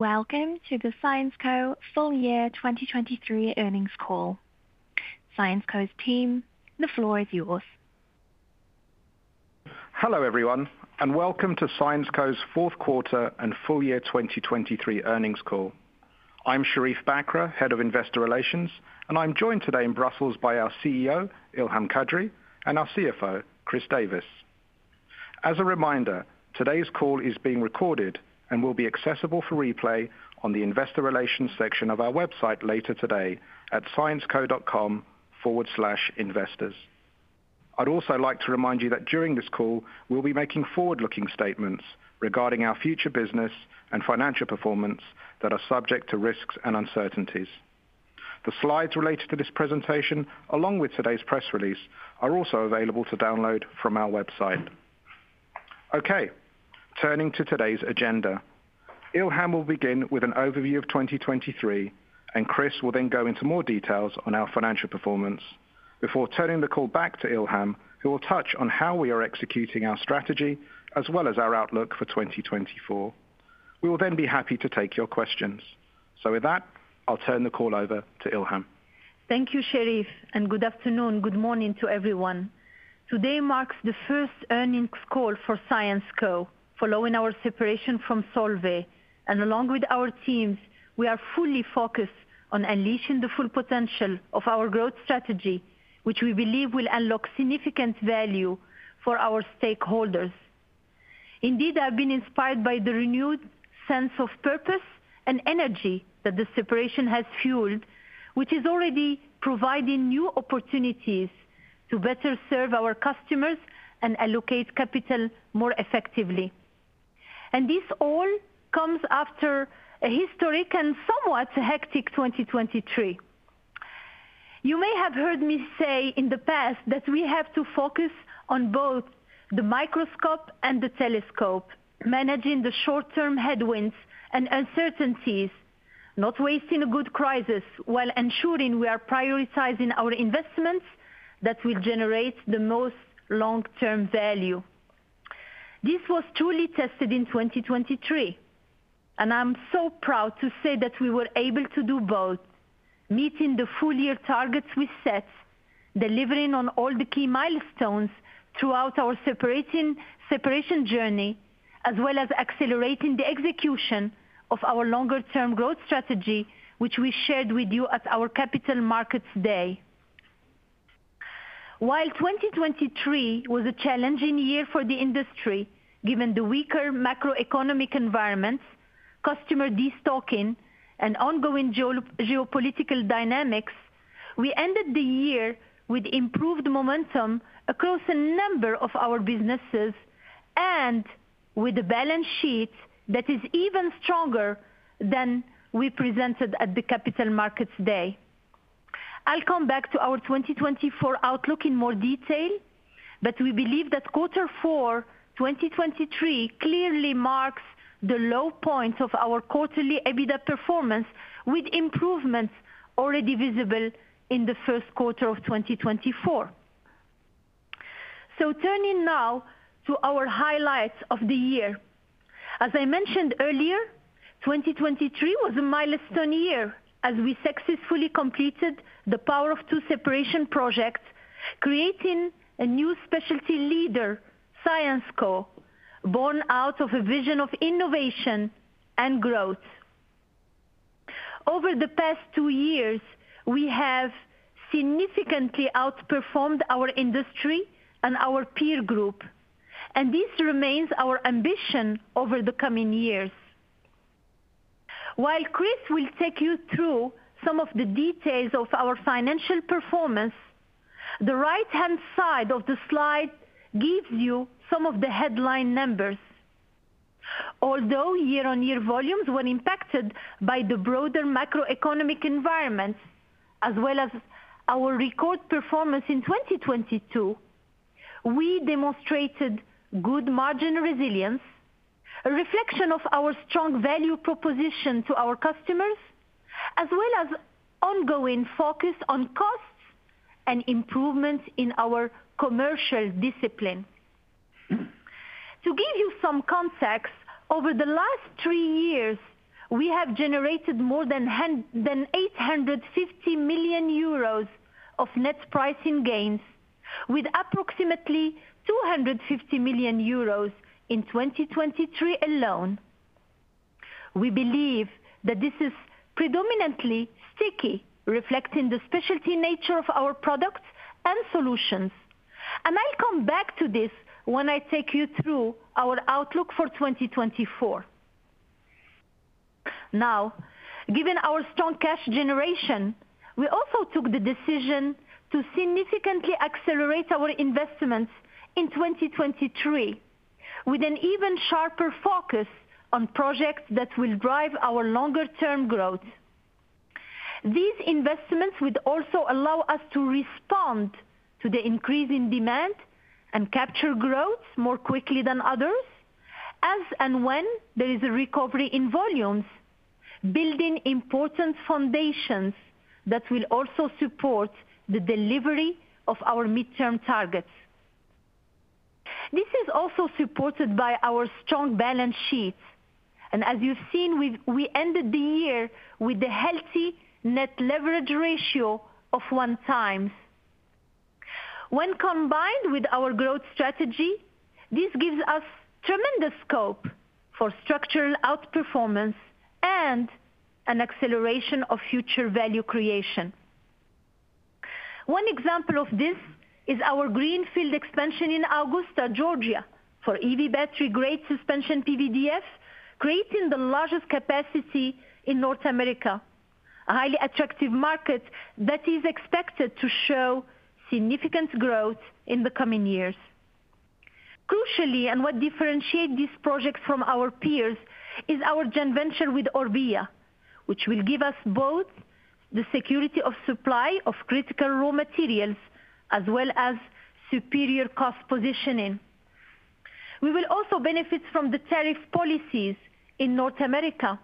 Welcome to the Syensqo Full Year 2023 Earnings Call. Syensqo's team, the floor is yours. Hello everyone, and welcome to Syensqo's fourth quarter and full year 2023 earnings call. I'm Sherief Bakr, Head of Investor Relations, and I'm joined today in Brussels by our CEO, Ilham Kadri; and our CFO, Chris Davis. As a reminder, today's call is being recorded and will be accessible for replay on the Investor Relations section of our website later today at syensqo.com/investors. I'd also like to remind you that during this call we'll be making forward-looking statements regarding our future business and financial performance that are subject to risks and uncertainties. The slides related to this presentation, along with today's press release, are also available to download from our website. Okay, turning to today's agenda. Ilham will begin with an overview of 2023, and Chris will then go into more details on our financial performance. Before turning the call back to Ilham, she will touch on how we are executing our strategy as well as our outlook for 2024. We will then be happy to take your questions. So with that, I'll turn the call over to Ilham. Thank you, Sherief, and good afternoon, good morning to everyone. Today marks the first earnings call for Syensqo following our separation from Solvay, and along with our teams, we are fully focused on unleashing the full potential of our growth strategy, which we believe will unlock significant value for our stakeholders. Indeed, I've been inspired by the renewed sense of purpose and energy that the separation has fueled, which is already providing new opportunities to better serve our customers and allocate capital more effectively. This all comes after a historic and somewhat hectic 2023. You may have heard me say in the past that we have to focus on both the microscope and the telescope, managing the short-term headwinds and uncertainties, not wasting a good crisis while ensuring we are prioritizing our investments that will generate the most long-term value. This was truly tested in 2023, and I'm so proud to say that we were able to do both: meeting the full year targets we set, delivering on all the key milestones throughout our separation journey, as well as accelerating the execution of our longer-term growth strategy, which we shared with you at our Capital Markets Day. While 2023 was a challenging year for the industry given the weaker macroeconomic environment, customer destocking, and ongoing geopolitical dynamics, we ended the year with improved momentum across a number of our businesses and with a balance sheet that is even stronger than we presented at the Capital Markets Day. I'll come back to our 2024 outlook in more detail, but we believe that quarter four 2023 clearly marks the low point of our quarterly EBITDA performance with improvements already visible in the first quarter of 2024. So turning now to our highlights of the year. As I mentioned earlier, 2023 was a milestone year as we successfully completed the Power of Two separation project, creating a new specialty leader, Syensqo, born out of a vision of innovation and growth. Over the past two years, we have significantly outperformed our industry and our peer group, and this remains our ambition over the coming years. While Chris will take you through some of the details of our financial performance, the right-hand side of the slide gives you some of the headline numbers. Although year-on-year volumes were impacted by the broader macroeconomic environment as well as our record performance in 2022, we demonstrated good margin resilience, a reflection of our strong value proposition to our customers, as well as ongoing focus on costs and improvements in our commercial discipline. To give you some context, over the last three years, we have generated more than 850 million euros of net pricing gains, with approximately 250 million euros in 2023 alone. We believe that this is predominantly sticky, reflecting the specialty nature of our products and solutions, and I'll come back to this when I take you through our outlook for 2024. Now, given our strong cash generation, we also took the decision to significantly accelerate our investments in 2023 with an even sharper focus on projects that will drive our longer-term growth. These investments would also allow us to respond to the increase in demand and capture growth more quickly than others as and when there is a recovery in volumes, building important foundations that will also support the delivery of our midterm targets. This is also supported by our strong balance sheet, and as you've seen, we ended the year with a healthy net leverage ratio of 1x. When combined with our growth strategy, this gives us tremendous scope for structural outperformance and an acceleration of future value creation. One example of this is our greenfield expansion in Augusta, Georgia, for EV battery grade suspension PVDF, creating the largest capacity in North America, a highly attractive market that is expected to show significant growth in the coming years. Crucially, and what differentiates these projects from our peers is our joint venture with Orbia, which will give us both the security of supply of critical raw materials as well as superior cost positioning. We will also benefit from the tariff policies in North America.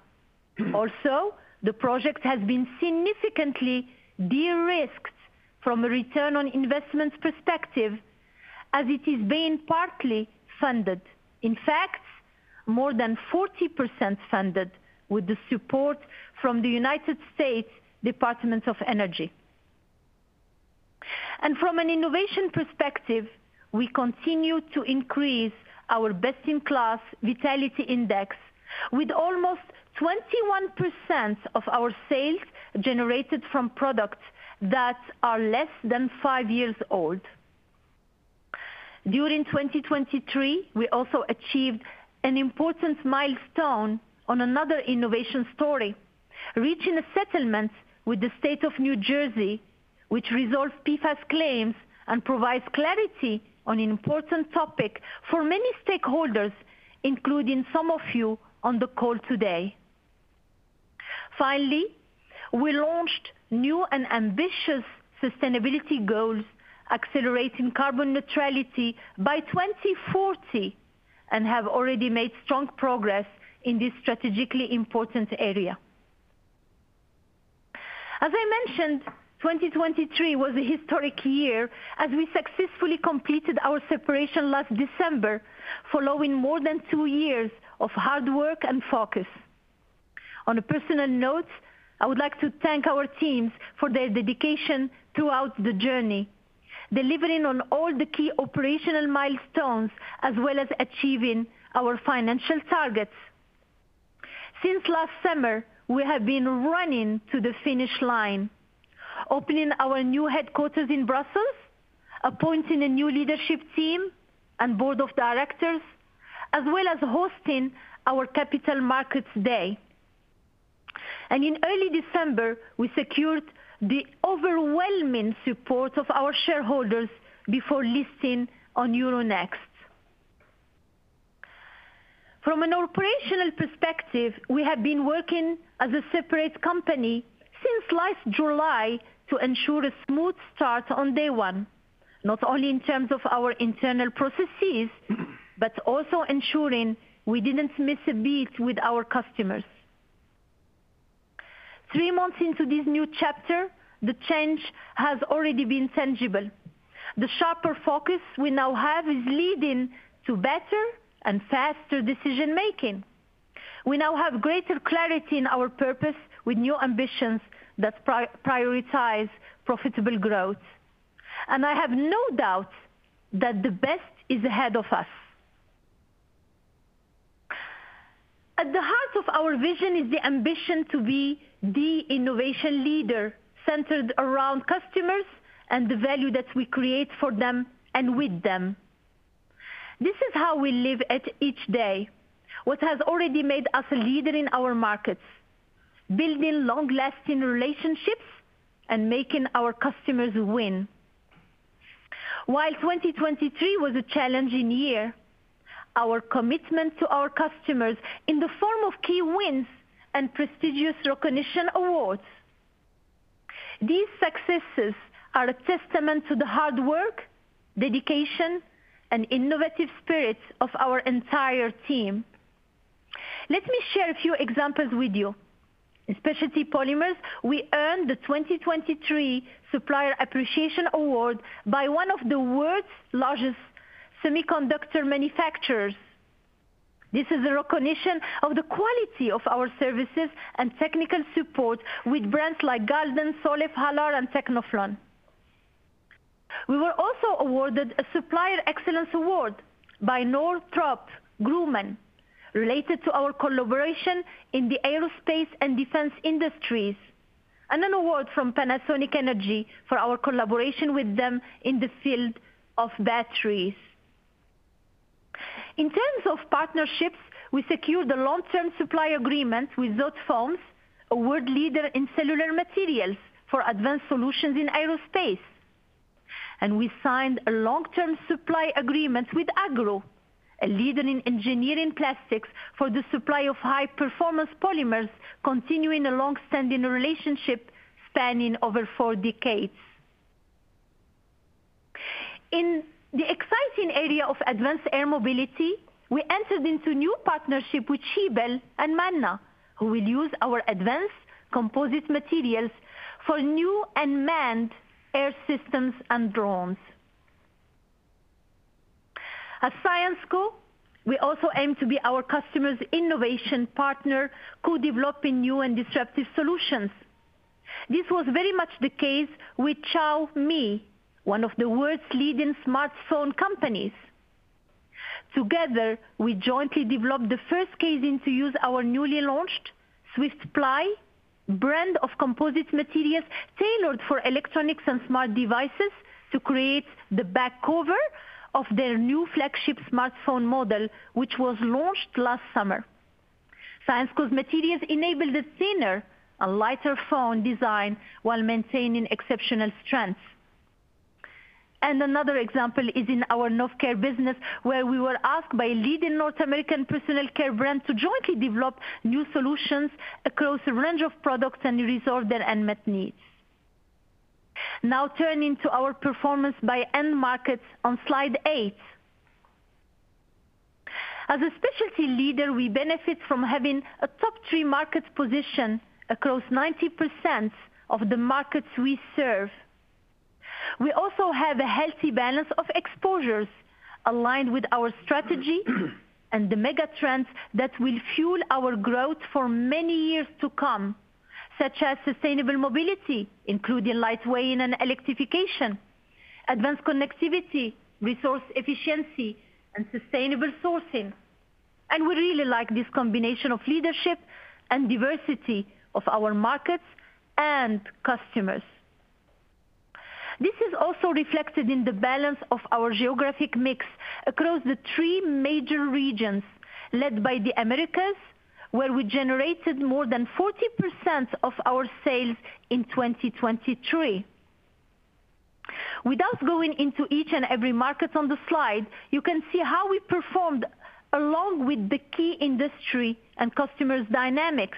Also, the project has been significantly de-risked from a return on investment perspective as it is being partly funded, in fact, more than 40% funded with the support from the United States Department of Energy. From an innovation perspective, we continue to increase our best-in-class Vitality Index with almost 21% of our sales generated from products that are less than five years old. During 2023, we also achieved an important milestone on another innovation story, reaching a settlement with the state of New Jersey, which resolved PFAS claims and provides clarity on an important topic for many stakeholders, including some of you on the call today. Finally, we launched new and ambitious sustainability goals accelerating carbon neutrality by 2040 and have already made strong progress in this strategically important area. As I mentioned, 2023 was a historic year as we successfully completed our separation last December, following more than two years of hard work and focus. On a personal note, I would like to thank our teams for their dedication throughout the journey, delivering on all the key operational milestones as well as achieving our financial targets. Since last summer, we have been running to the finish line, opening our new headquarters in Brussels, appointing a new leadership team and board of directors, as well as hosting our Capital Markets Day. In early December, we secured the overwhelming support of our shareholders before listing on Euronext. From an operational perspective, we have been working as a separate company since last July to ensure a smooth start on day one, not only in terms of our internal processes, but also ensuring we didn't miss a beat with our customers. Three months into this new chapter, the change has already been tangible. The sharper focus we now have is leading to better and faster decision-making. We now have greater clarity in our purpose with new ambitions that prioritize profitable growth, and I have no doubt that the best is ahead of us. At the heart of our vision is the ambition to be the innovation leader centered around customers and the value that we create for them and with them. This is how we live at each day, what has already made us a leader in our markets, building long-lasting relationships and making our customers win. While 2023 was a challenging year, our commitment to our customers in the form of key wins and prestigious recognition awards. These successes are a testament to the hard work, dedication, and innovative spirit of our entire team. Let me share a few examples with you. Specialty Polymers, we earned the 2023 Supplier Appreciation Award by one of the world's largest semiconductor manufacturers. This is a recognition of the quality of our services and technical support with brands like Galden, Solef, Halar, and Tecnoflon. We were also awarded a Supplier Excellence Award by Northrop Grumman related to our collaboration in the aerospace and defense industries, and an award from Panasonic Energy for our collaboration with them in the field of batteries. In terms of partnerships, we secured a long-term supply agreement with Zotefoams, a world leader in cellular materials for advanced solutions in aerospace, and we signed a long-term supply agreement with AGRU, a leader in engineering plastics for the supply of high-performance polymers, continuing a long-standing relationship spanning over four decades. In the exciting area of advanced air mobility, we entered into new partnerships with Schiebel and Manna, who will use our advanced Composite Materials for new and manned air systems and drones. At Syensqo, we also aim to be our customer's innovation partner, co-developing new and disruptive solutions. This was very much the case with Xiaomi, one of the world's leading smartphone companies. Together, we jointly developed the first case to use our newly launched Swyft-Ply brand of Composite Materials tailored for electronics and smart devices to create the back cover of their new flagship smartphone model, which was launched last summer. Syensqo's materials enabled a thinner and lighter phone design while maintaining exceptional strength. Another example is in our Novecare business, where we were asked by a leading North American personal care brand to jointly develop new solutions across a range of products and resolve their unmet needs. Now turning to our performance by end markets on slide eight. As a specialty leader, we benefit from having a top three markets position across 90% of the markets we serve. We also have a healthy balance of exposures aligned with our strategy and the megatrends that will fuel our growth for many years to come, such as sustainable mobility, including lightweight and electrification, advanced connectivity, resource efficiency, and sustainable sourcing. We really like this combination of leadership and diversity of our markets and customers. This is also reflected in the balance of our geographic mix across the three major regions led by the Americas, where we generated more than 40% of our sales in 2023. Without going into each and every market on the slide, you can see how we performed along with the key industry and customers' dynamics.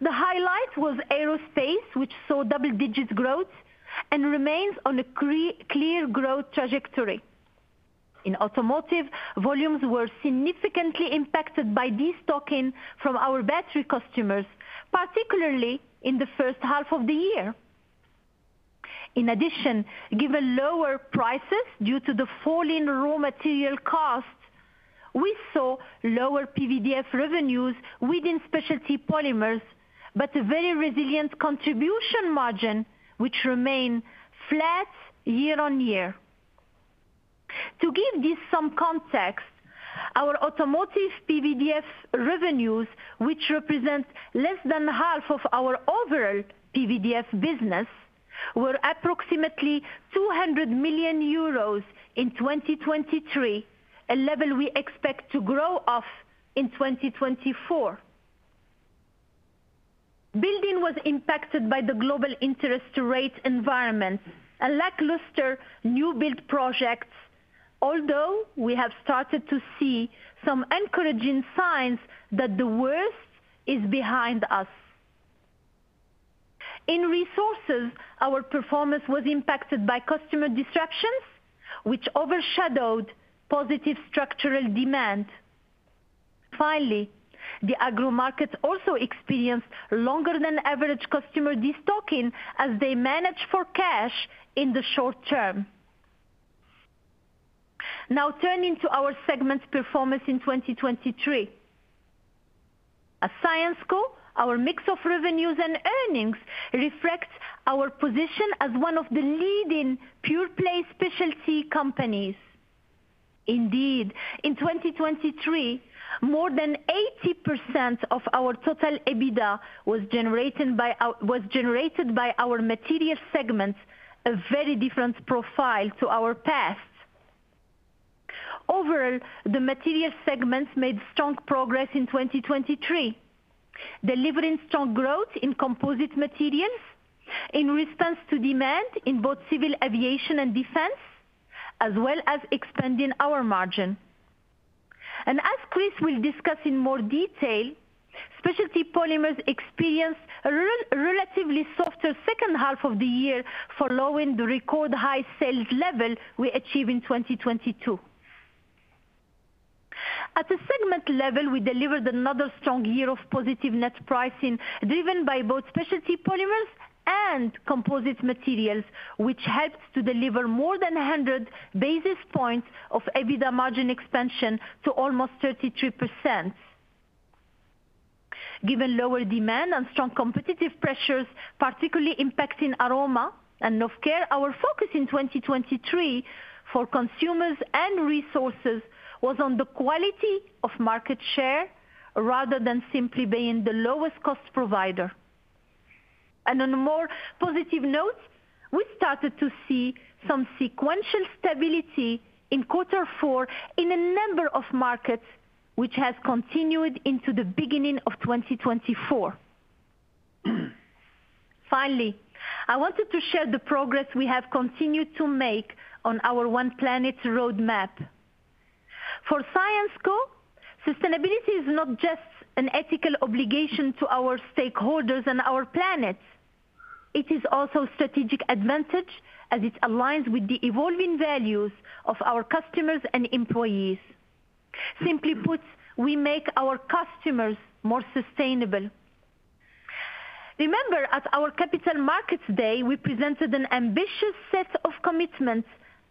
The highlight was aerospace, which saw double-digit growth and remains on a clear growth trajectory. In automotive, volumes were significantly impacted by destocking from our battery customers, particularly in the first half of the year. In addition, given lower prices due to the falling raw material costs, we saw lower PVDF revenues within Specialty Polymers, but a very resilient contribution margin, which remained flat year on year. To give this some context, our automotive PVDF revenues, which represent less than half of our overall PVDF business, were approximately 200 million euros in 2023, a level we expect to grow off in 2024. Building was impacted by the global interest rate environment and lackluster new build projects, although we have started to see some encouraging signs that the worst is behind us. In resources, our performance was impacted by customer disruptions, which overshadowed positive structural demand. Finally, the agro markets also experienced longer-than-average customer destocking as they managed for cash in the short term. Now turning to our segment performance in 2023. At Syensqo, our mix of revenues and earnings reflects our position as one of the leading pure-play specialty companies. Indeed, in 2023, more than 80% of our total EBITDA was generated by our material segments, a very different profile to our past. Overall, the material segments made strong progress in 2023, delivering strong growth in Composite Materials in response to demand in both civil aviation and defense, as well as expanding our margin. And as Chris will discuss in more detail, Specialty Polymers experienced a relatively softer second half of the year following the record high sales level we achieved in 2022. At the segment level, we delivered another strong year of positive net pricing driven by both Specialty Polymers and Composite Materials, which helped to deliver more than 100 basis points of EBITDA margin expansion to almost 33%. Given lower demand and strong competitive pressures, particularly impacting Aroma and Novecare, our focus in 2023 for consumers and resources was on the quality of market share rather than simply being the lowest-cost provider. On a more positive note, we started to see some sequential stability in quarter four in a number of markets, which has continued into the beginning of 2024. Finally, I wanted to share the progress we have continued to make on our One Planet roadmap. For Syensqo, sustainability is not just an ethical obligation to our stakeholders and our planet. It is also a strategic advantage as it aligns with the evolving values of our customers and employees. Simply put, we make our customers more sustainable. Remember, at our Capital Markets Day, we presented an ambitious set of commitments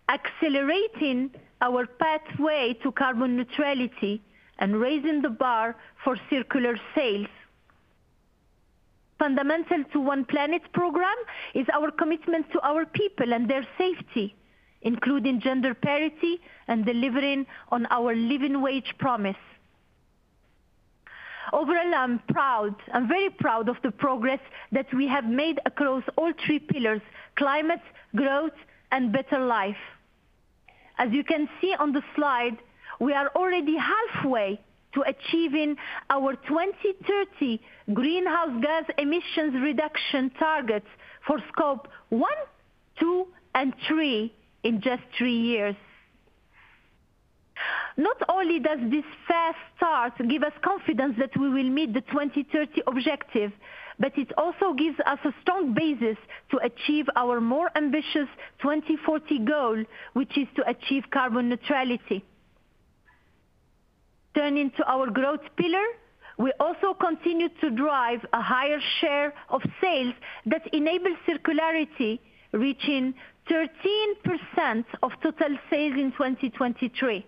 accelerating our pathway to carbon neutrality and raising the bar for circular sales. Fundamental to One Planet program is our commitment to our people and their safety, including gender parity and delivering on our living wage promise. Overall, I'm proud. I'm very proud of the progress that we have made across all three pillars: climate, growth, and better life. As you can see on the slide, we are already halfway to achieving our 2030 greenhouse gas emissions reduction targets for Scope One, Two, and Three in just three years. Not only does this fast start give us confidence that we will meet the 2030 objective, but it also gives us a strong basis to achieve our more ambitious 2040 goal, which is to achieve carbon neutrality. Turning to our growth pillar, we also continue to drive a higher share of sales that enables circularity, reaching 13% of total sales in 2023.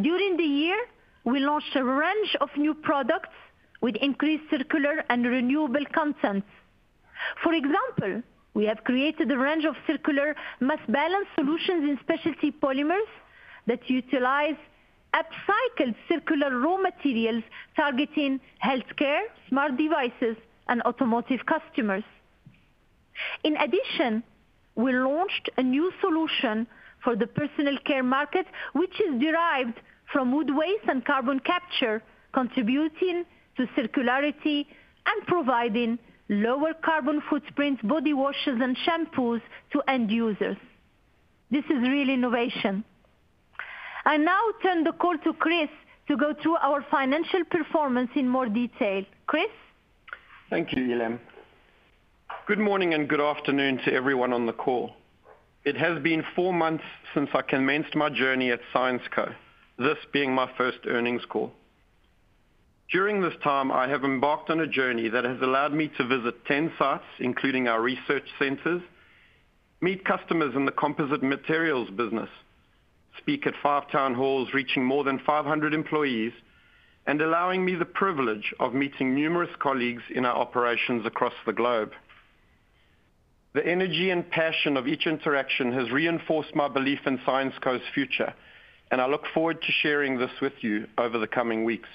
During the year, we launched a range of new products with increased circular and renewable contents. For example, we have created a range of circular mass-balance solutions in Specialty Polymers that utilize upcycled circular raw materials targeting healthcare, smart devices, and automotive customers. In addition, we launched a new solution for the personal care market, which is derived from wood waste and carbon capture, contributing to circularity and providing lower carbon footprint body washes and shampoos to end users. This is real innovation. I now turn the call to Chris to go through our financial performance in more detail. Chris? Thank you, Ilham. Good morning and good afternoon to everyone on the call. It has been four months since I commenced my journey at Syensqo, this being my first earnings call. During this time, I have embarked on a journey that has allowed me to visit 10 sites, including our research centers, meet customers in the Composite Materials business, speak at five town halls reaching more than 500 employees, and allowing me the privilege of meeting numerous colleagues in our operations across the globe. The energy and passion of each interaction has reinforced my belief in Syensqo's future, and I look forward to sharing this with you over the coming weeks.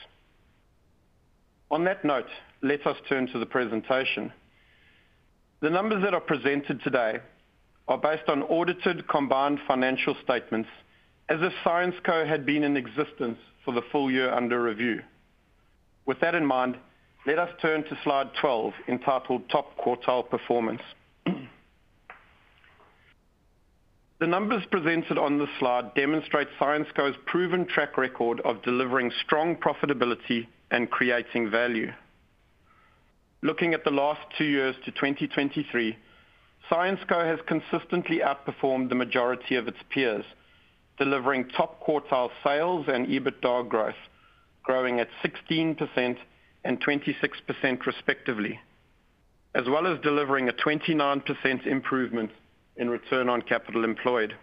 On that note, let us turn to the presentation. The numbers that are presented today are based on audited combined financial statements as if Syensqo had been in existence for the full year under review. With that in mind, let us turn to slide 12 entitled Top Quartile Performance. The numbers presented on this slide demonstrate Syensqo's proven track record of delivering strong profitability and creating value. Looking at the last two years to 2023, Syensqo has consistently outperformed the majority of its peers, delivering top quartile sales and EBITDA growth, growing at 16% and 26% respectively, as well as delivering a 29% improvement in return on capital employed.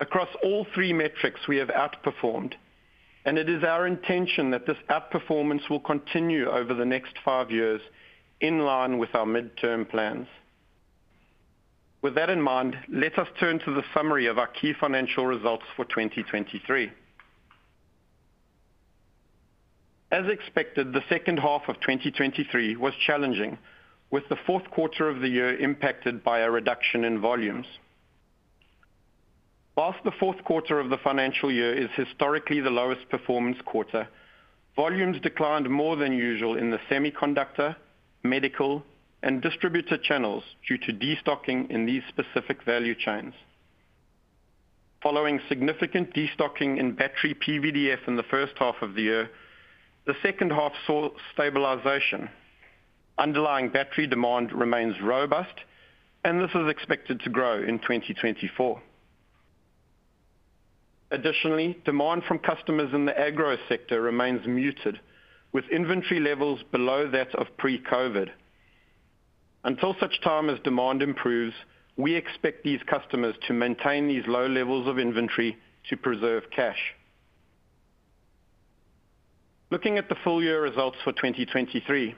Across all three metrics, we have outperformed, and it is our intention that this outperformance will continue over the next five years in line with our midterm plans. With that in mind, let us turn to the summary of our key financial results for 2023. As expected, the second half of 2023 was challenging, with the fourth quarter of the year impacted by a reduction in volumes. While the fourth quarter of the financial year is historically the lowest performance quarter, volumes declined more than usual in the semiconductor, medical, and distributor channels due to destocking in these specific value chains. Following significant destocking in battery PVDF in the first half of the year, the second half saw stabilization. Underlying battery demand remains robust, and this is expected to grow in 2024. Additionally, demand from customers in the Agro sector remains muted, with inventory levels below that of pre-COVID. Until such time as demand improves, we expect these customers to maintain these low levels of inventory to preserve cash. Looking at the full year results for 2023,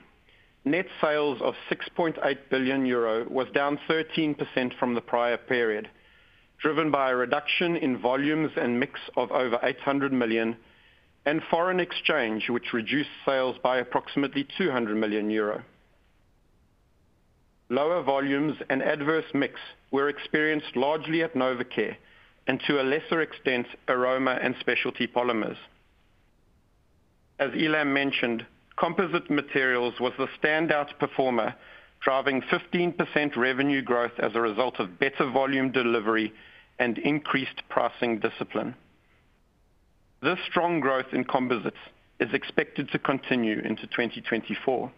net sales of 6.8 billion euro was down 13% from the prior period, driven by a reduction in volumes and mix of over 800 million, and foreign exchange, which reduced sales by approximately 200 million euro. Lower volumes and adverse mix were experienced largely at Novecare and, to a lesser extent, Aroma and Specialty Polymers. As Ilham mentioned, Composite Materials was the standout performer, driving 15% revenue growth as a result of better volume delivery and increased pricing discipline. This strong growth in composites is expected to continue into 2024.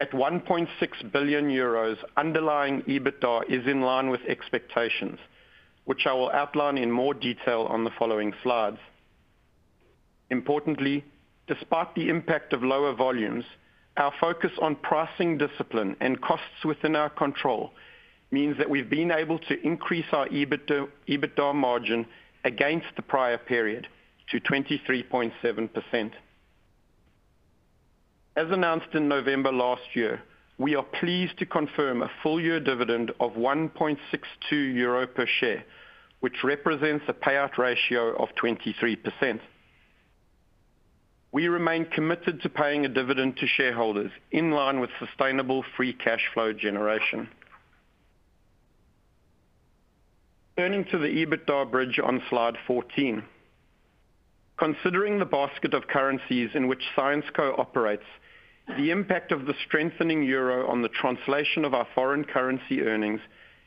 At 1.6 billion euros, underlying EBITDA is in line with expectations, which I will outline in more detail on the following slides. Importantly, despite the impact of lower volumes, our focus on pricing discipline and costs within our control means that we've been able to increase our EBITDA margin against the prior period to 23.7%. As announced in November last year, we are pleased to confirm a full-year dividend of 1.62 euro per share, which represents a payout ratio of 23%. We remain committed to paying a dividend to shareholders in line with sustainable free cash flow generation. Turning to the EBITDA bridge on slide 14. Considering the basket of currencies in which Syensqo operates, the impact of the strengthening euro on the translation of our foreign currency earnings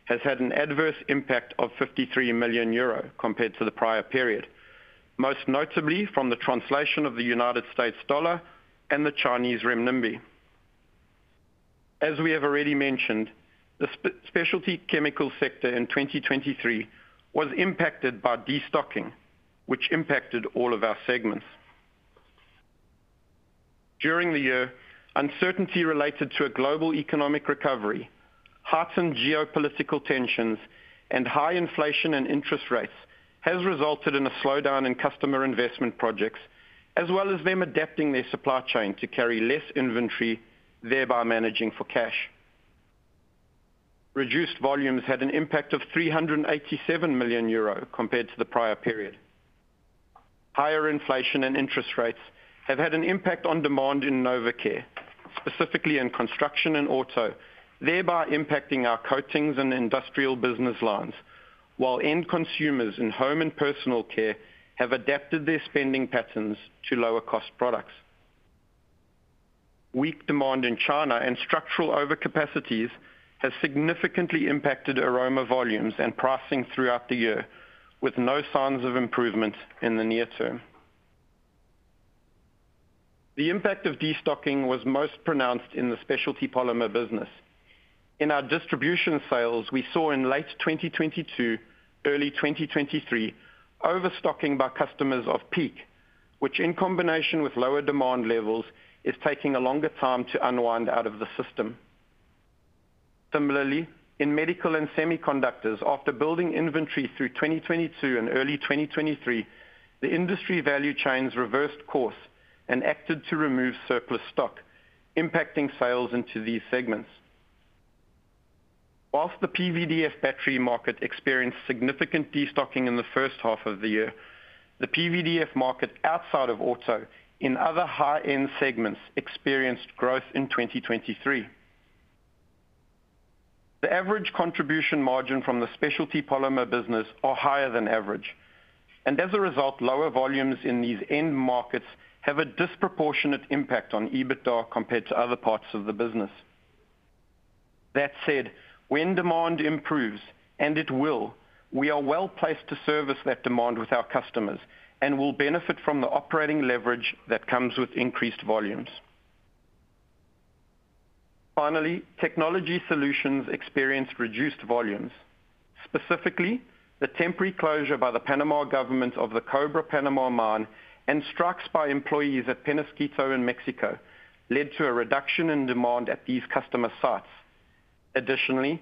has had an adverse impact of 53 million euro compared to the prior period, most notably from the translation of the United States dollar and the Chinese renminbi. As we have already mentioned, the specialty chemical sector in 2023 was impacted by destocking, which impacted all of our segments. During the year, uncertainty related to a global economic recovery, heightened geopolitical tensions, and high inflation and interest rates has resulted in a slowdown in customer investment projects, as well as them adapting their supply chain to carry less inventory, thereby managing for cash. Reduced volumes had an impact of 387 million euro compared to the prior period. Higher inflation and interest rates have had an impact on demand in Novecare, specifically in construction and auto, thereby impacting our coatings and industrial business lines, while end consumers in home and personal care have adapted their spending patterns to lower-cost products. Weak demand in China and structural overcapacities have significantly impacted aroma volumes and pricing throughout the year, with no signs of improvement in the near term. The impact of destocking was most pronounced in the specialty polymer business. In our distribution sales, we saw in late 2022, early 2023, overstocking by customers of PEEK, which, in combination with lower demand levels, is taking a longer time to unwind out of the system. Similarly, in medical and semiconductors, after building inventory through 2022 and early 2023, the industry value chains reversed course and acted to remove surplus stock, impacting sales into these segments. While the PVDF battery market experienced significant destocking in the first half of the year, the PVDF market outside of auto in other high-end segments experienced growth in 2023. The average contribution margin from the specialty polymer business is higher than average, and as a result, lower volumes in these end markets have a disproportionate impact on EBITDA compared to other parts of the business. That said, when demand improves and it will, we are well placed to service that demand with our customers and will benefit from the operating leverage that comes with increased volumes. Finally, technology solutions experienced reduced volumes. Specifically, the temporary closure by the Panama government of the Cobre Panama Mine and strikes by employees at Peñasquito in Mexico led to a reduction in demand at these customer sites. Additionally,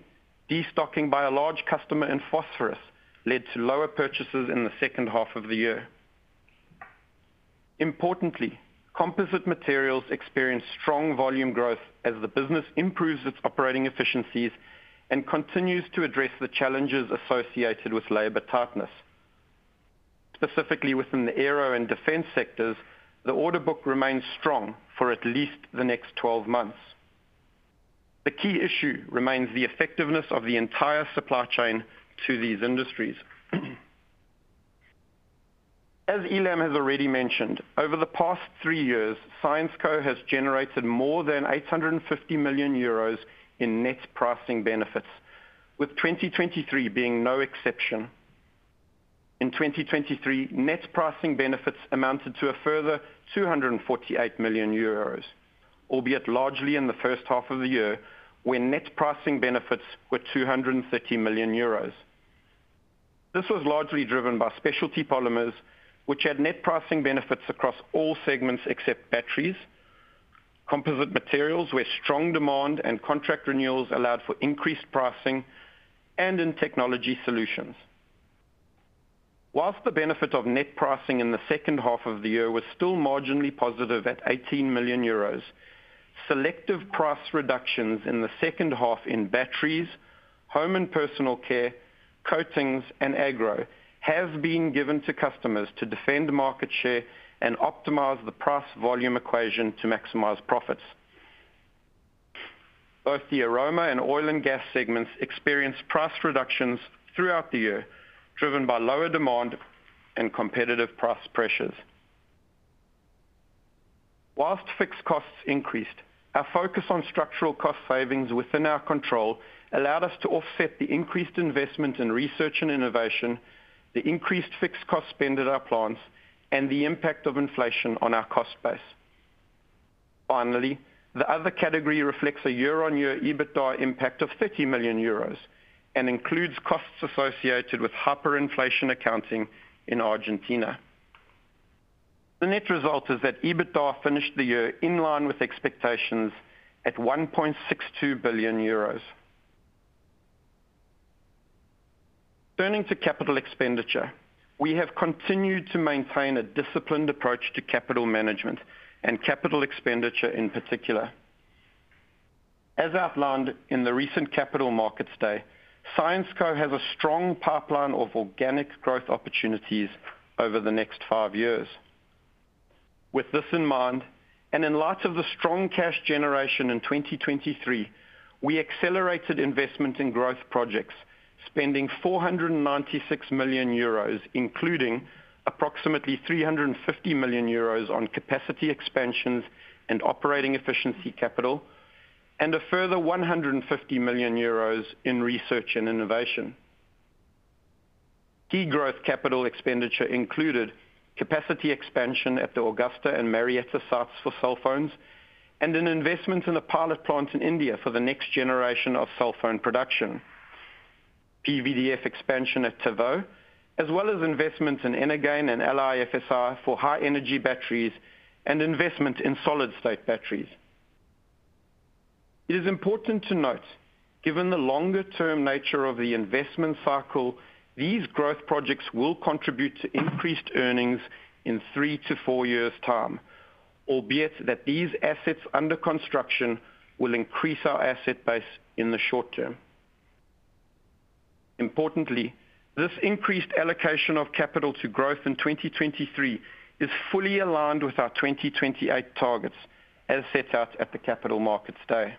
destocking by a large customer in phosphorus led to lower purchases in the second half of the year. Importantly, Composite Materials experienced strong volume growth as the business improves its operating efficiencies and continues to address the challenges associated with labor tightness. Specifically, within the aero and defense sectors, the order book remains strong for at least the next 12 months. The key issue remains the effectiveness of the entire supply chain to these industries. As Ilham has already mentioned, over the past three years, Syensqo has generated more than 850 million euros in net pricing benefits, with 2023 being no exception. In 2023, net pricing benefits amounted to a further 248 million euros, albeit largely in the first half of the year, when net pricing benefits were 230 million euros. This was largely driven by Specialty Polymers, which had net pricing benefits across all segments except batteries. Composite Materials were strong demand and contract renewals allowed for increased pricing, and in technology solutions. While the benefit of net pricing in the second half of the year was still marginally positive at 18 million euros, selective price reductions in the second half in batteries, home and personal care, coatings, and Agro have been given to customers to defend market share and optimize the price-volume equation to maximize profits. Both the aroma and oil and gas segments experienced price reductions throughout the year, driven by lower demand and competitive price pressures. While fixed costs increased, our focus on structural cost savings within our control allowed us to offset the increased investment in research and innovation, the increased fixed cost spend at our plants, and the impact of inflation on our cost base. Finally, the other category reflects a year-on-year EBITDA impact of 30 million euros and includes costs associated with hyperinflation accounting in Argentina. The net result is that EBITDA finished the year in line with expectations at 1.62 billion euros. Turning to capital expenditure, we have continued to maintain a disciplined approach to capital management and capital expenditure in particular. As outlined in the recent Capital Markets Day, Syensqo has a strong pipeline of organic growth opportunities over the next five years. With this in mind and in light of the strong cash generation in 2023, we accelerated investment in growth projects, spending 496 million euros, including approximately 350 million euros on capacity expansions and operating efficiency capital, and a further 150 million euros in research and innovation. Key growth capital expenditure included capacity expansion at the Augusta and Marietta sites for sulfones and an investment in a pilot plant in India for the next generation of sulfone production, PVDF expansion at Tavaux, as well as investments in EnerGain and LiFePO4 for high-energy batteries and investment in solid-state batteries. It is important to note, given the longer-term nature of the investment cycle, these growth projects will contribute to increased earnings in three to four years' time, albeit that these assets under construction will increase our asset base in the short term. Importantly, this increased allocation of capital to growth in 2023 is fully aligned with our 2028 targets as set out at the Capital Markets Day.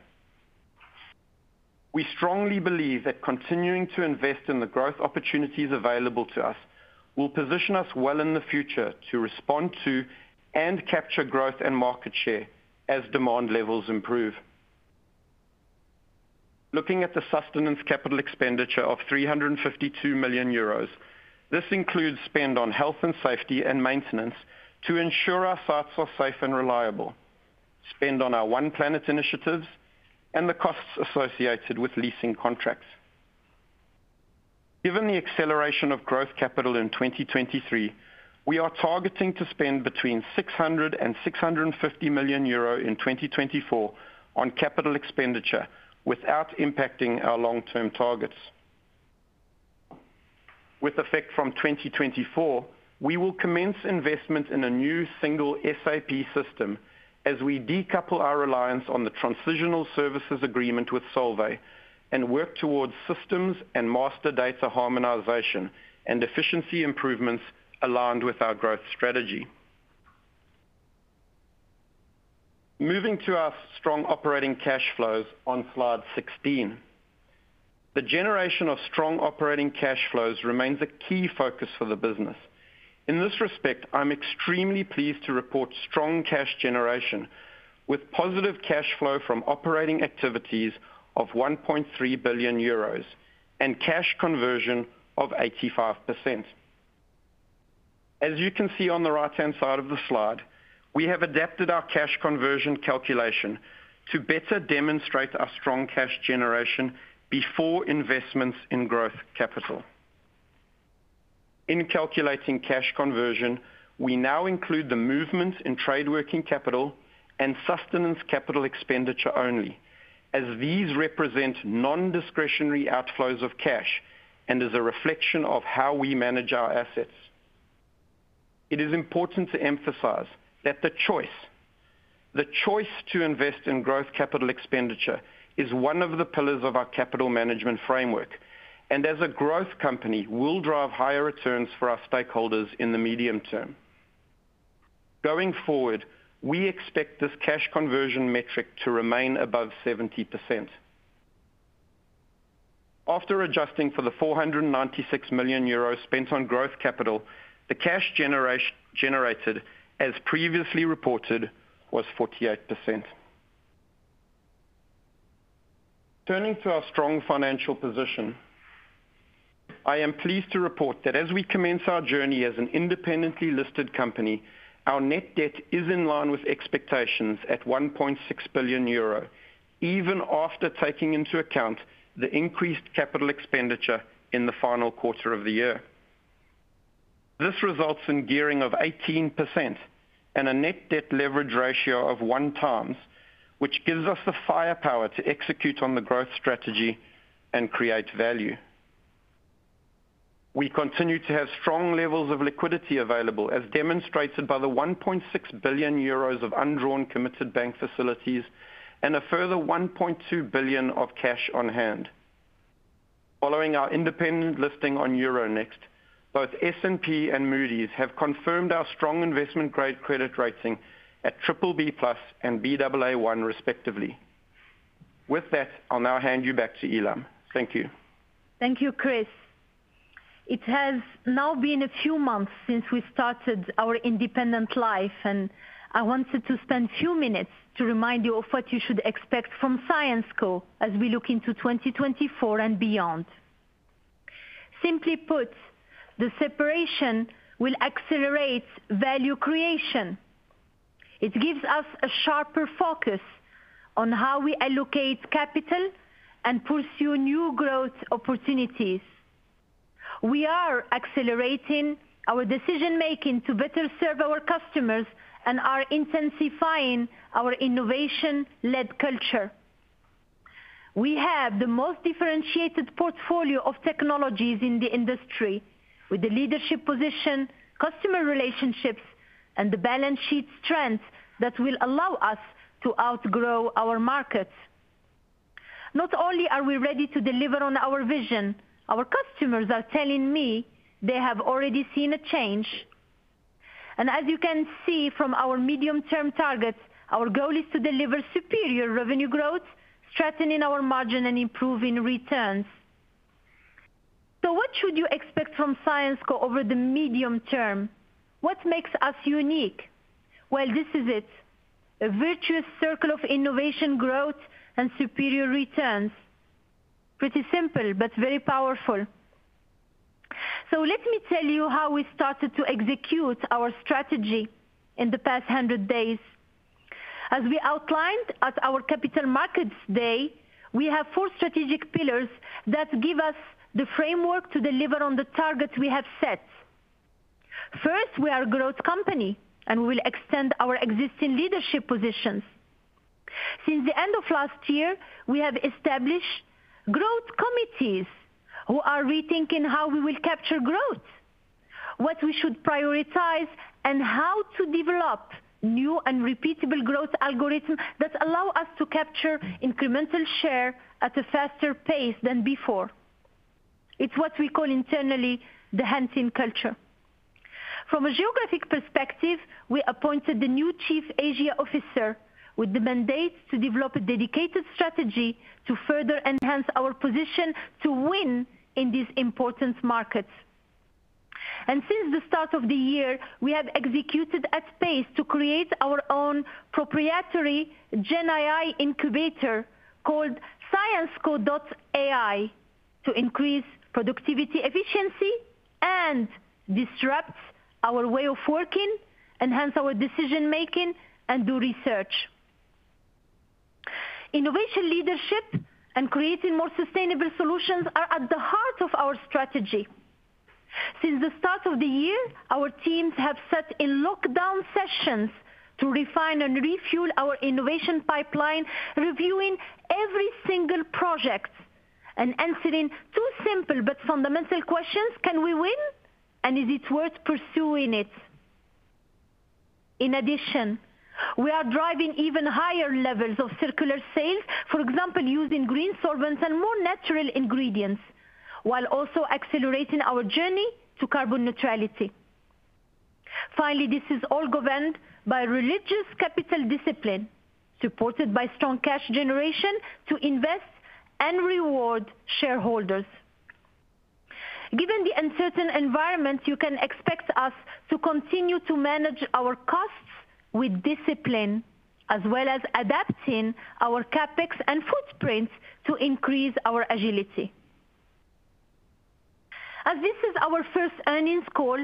We strongly believe that continuing to invest in the growth opportunities available to us will position us well in the future to respond to and capture growth and market share as demand levels improve. Looking at the sustaining capital expenditure of 352 million euros, this includes spend on health and safety and maintenance to ensure our sites are safe and reliable, spend on our One Planet initiatives, and the costs associated with leasing contracts. Given the acceleration of growth capital in 2023, we are targeting to spend between 600 million-650 million euro in 2024 on capital expenditure without impacting our long-term targets. With effect from 2024, we will commence investment in a new single SAP system as we decouple our reliance on the Transitional Services Agreement with Solvay and work towards systems and master data harmonization and efficiency improvements aligned with our growth strategy. Moving to our strong operating cash flows on slide 16. The generation of strong operating cash flows remains a key focus for the business. In this respect, I'm extremely pleased to report strong cash generation with positive cash flow from operating activities of 1.3 billion euros and cash conversion of 85%. As you can see on the right-hand side of the slide, we have adapted our cash conversion calculation to better demonstrate our strong cash generation before investments in growth capital. In calculating cash conversion, we now include the movements in trade-working capital and sustenance capital expenditure only, as these represent nondiscretionary outflows of cash and as a reflection of how we manage our assets. It is important to emphasize that the choice to invest in growth capital expenditure is one of the pillars of our capital management framework, and as a growth company, will drive higher returns for our stakeholders in the medium term. Going forward, we expect this cash conversion metric to remain above 70%. After adjusting for the 496 million euros spent on growth capital, the cash generated, as previously reported, was 48%. Turning to our strong financial position, I am pleased to report that as we commence our journey as an independently listed company, our net debt is in line with expectations at 1.6 billion euro, even after taking into account the increased capital expenditure in the final quarter of the year. This results in gearing of 18% and a net debt leverage ratio of one times, which gives us the firepower to execute on the growth strategy and create value. We continue to have strong levels of liquidity available, as demonstrated by the 1.6 billion euros of undrawn committed bank facilities and a further 1.2 billion of cash on hand. Following our independent listing on Euronext, both S&P and Moody's have confirmed our strong investment-grade credit rating at BBB+ and Baa1, respectively. With that, I'll now hand you back to Ilham. Thank you. Thank you, Chris. It has now been a few months since we started our independent life, and I wanted to spend a few minutes to remind you of what you should expect from Syensqo as we look into 2024 and beyond. Simply put, the separation will accelerate value creation. It gives us a sharper focus on how we allocate capital and pursue new growth opportunities. We are accelerating our decision-making to better serve our customers and are intensifying our innovation-led culture. We have the most differentiated portfolio of technologies in the industry, with the leadership position, customer relationships, and the balance sheet strength that will allow us to outgrow our markets. Not only are we ready to deliver on our vision, our customers are telling me they have already seen a change. And as you can see from our medium-term targets, our goal is to deliver superior revenue growth, strengthening our margin, and improving returns. So what should you expect from Syensqo over the medium term? What makes us unique? Well, this is it: a virtuous circle of innovation, growth, and superior returns. Pretty simple, but very powerful. So let me tell you how we started to execute our strategy in the past 100 days. As we outlined at our Capital Markets Day, we have four strategic pillars that give us the framework to deliver on the targets we have set. First, we are a growth company, and we will extend our existing leadership positions. Since the end of last year, we have established growth committees who are rethinking how we will capture growth, what we should prioritize, and how to develop new and repeatable growth algorithms that allow us to capture incremental share at a faster pace than before. It's what we call internally the hunting culture. From a geographic perspective, we appointed the new Chief Asia Officer with the mandate to develop a dedicated strategy to further enhance our position to win in these important markets. And since the start of the year, we have executed at pace to create our own proprietary GenAI incubator called Syensqo.ai to increase productivity, efficiency, and disrupt our way of working, enhance our decision-making, and do research. Innovation leadership and creating more sustainable solutions are at the heart of our strategy. Since the start of the year, our teams have sat in lockdown sessions to refine and refuel our innovation pipeline, reviewing every single project and answering two simple but fundamental questions: Can we win? And is it worth pursuing it? In addition, we are driving even higher levels of circular sales, for example, using green solvents and more natural ingredients, while also accelerating our journey to carbon neutrality. Finally, this is all governed by rigorous capital discipline, supported by strong cash generation to invest and reward shareholders. Given the uncertain environment, you can expect us to continue to manage our costs with discipline, as well as adapting our CapEx and footprint to increase our agility. As this is our first earnings call,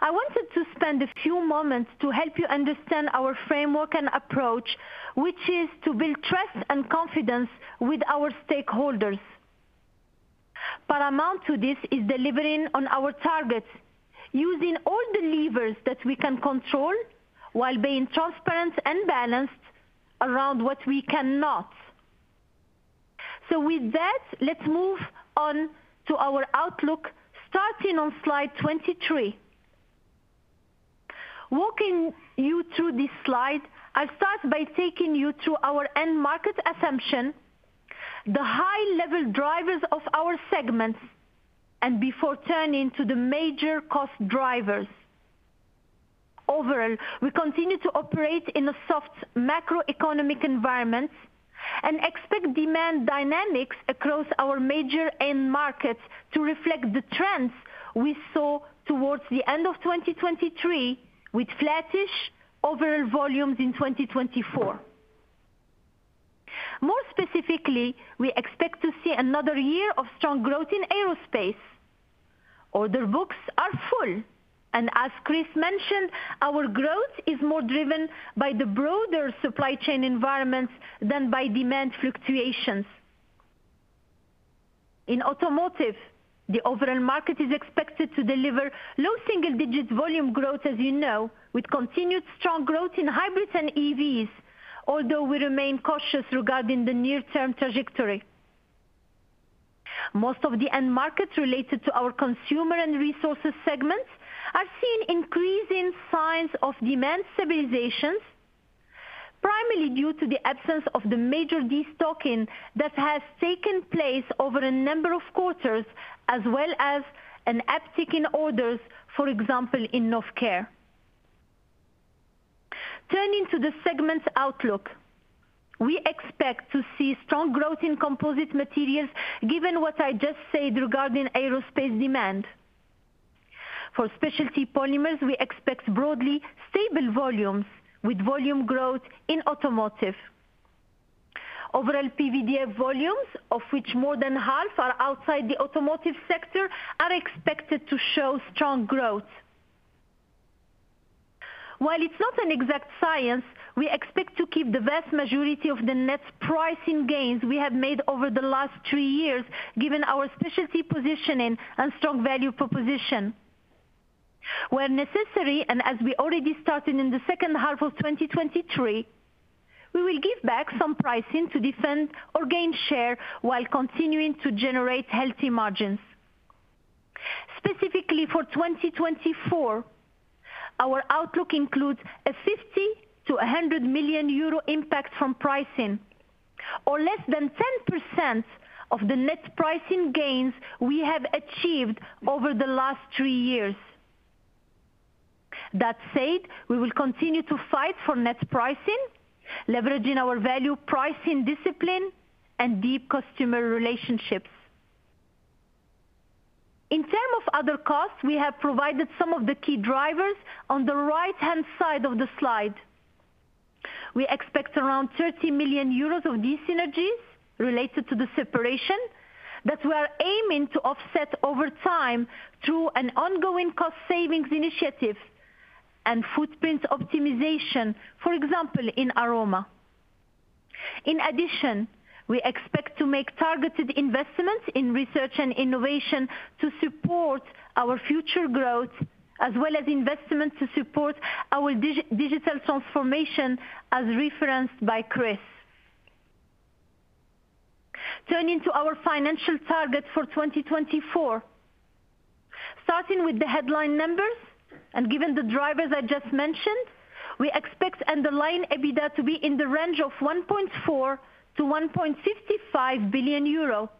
I wanted to spend a few moments to help you understand our framework and approach, which is to build trust and confidence with our stakeholders. Paramount to this is delivering on our targets, using all the levers that we can control while being transparent and balanced around what we cannot. So with that, let's move on to our outlook, starting on slide 23. Walking you through this slide, I'll start by taking you through our end market assumption, the high-level drivers of our segments, and before turning to the major cost drivers. Overall, we continue to operate in a soft macroeconomic environment and expect demand dynamics across our major end markets to reflect the trends we saw towards the end of 2023, with flattish overall volumes in 2024. More specifically, we expect to see another year of strong growth in aerospace. Order books are full, and as Chris mentioned, our growth is more driven by the broader supply chain environments than by demand fluctuations. In automotive, the overall market is expected to deliver low single-digit volume growth, as you know, with continued strong growth in hybrids and EVs, although we remain cautious regarding the near-term trajectory. Most of the end markets related to our Consumer & Resources segments are seeing increasing signs of demand stabilizations, primarily due to the absence of the major destocking that has taken place over a number of quarters, as well as an uptick in orders, for example, in Novecare. Turning to the segments outlook, we expect to see strong growth in Composite Materials, given what I just said regarding aerospace demand. For Specialty Polymers, we expect broadly stable volumes with volume growth in automotive. Overall PVDF volumes, of which more than half are outside the automotive sector, are expected to show strong growth. While it's not an exact science, we expect to keep the vast majority of the net pricing gains we have made over the last three years, given our specialty positioning and strong value proposition. Where necessary and as we already started in the second half of 2023, we will give back some pricing to defend or gain share while continuing to generate healthy margins. Specifically for 2024, our outlook includes a 50 million-100 million euro impact from pricing, or less than 10% of the net pricing gains we have achieved over the last three years. That said, we will continue to fight for net pricing, leveraging our value pricing discipline and deep customer relationships. In terms of other costs, we have provided some of the key drivers on the right-hand side of the slide. We expect around 30 million euros of these synergies related to the separation that we are aiming to offset over time through an ongoing cost-savings initiative and footprint optimization, for example, in aroma. In addition, we expect to make targeted investments in research and innovation to support our future growth, as well as investments to support our digital transformation, as referenced by Chris. Turning to our financial targets for 2024. Starting with the headline numbers and given the drivers I just mentioned, we expect underlying EBITDA to be in the range of 1.4 billion-1.55 billion euro.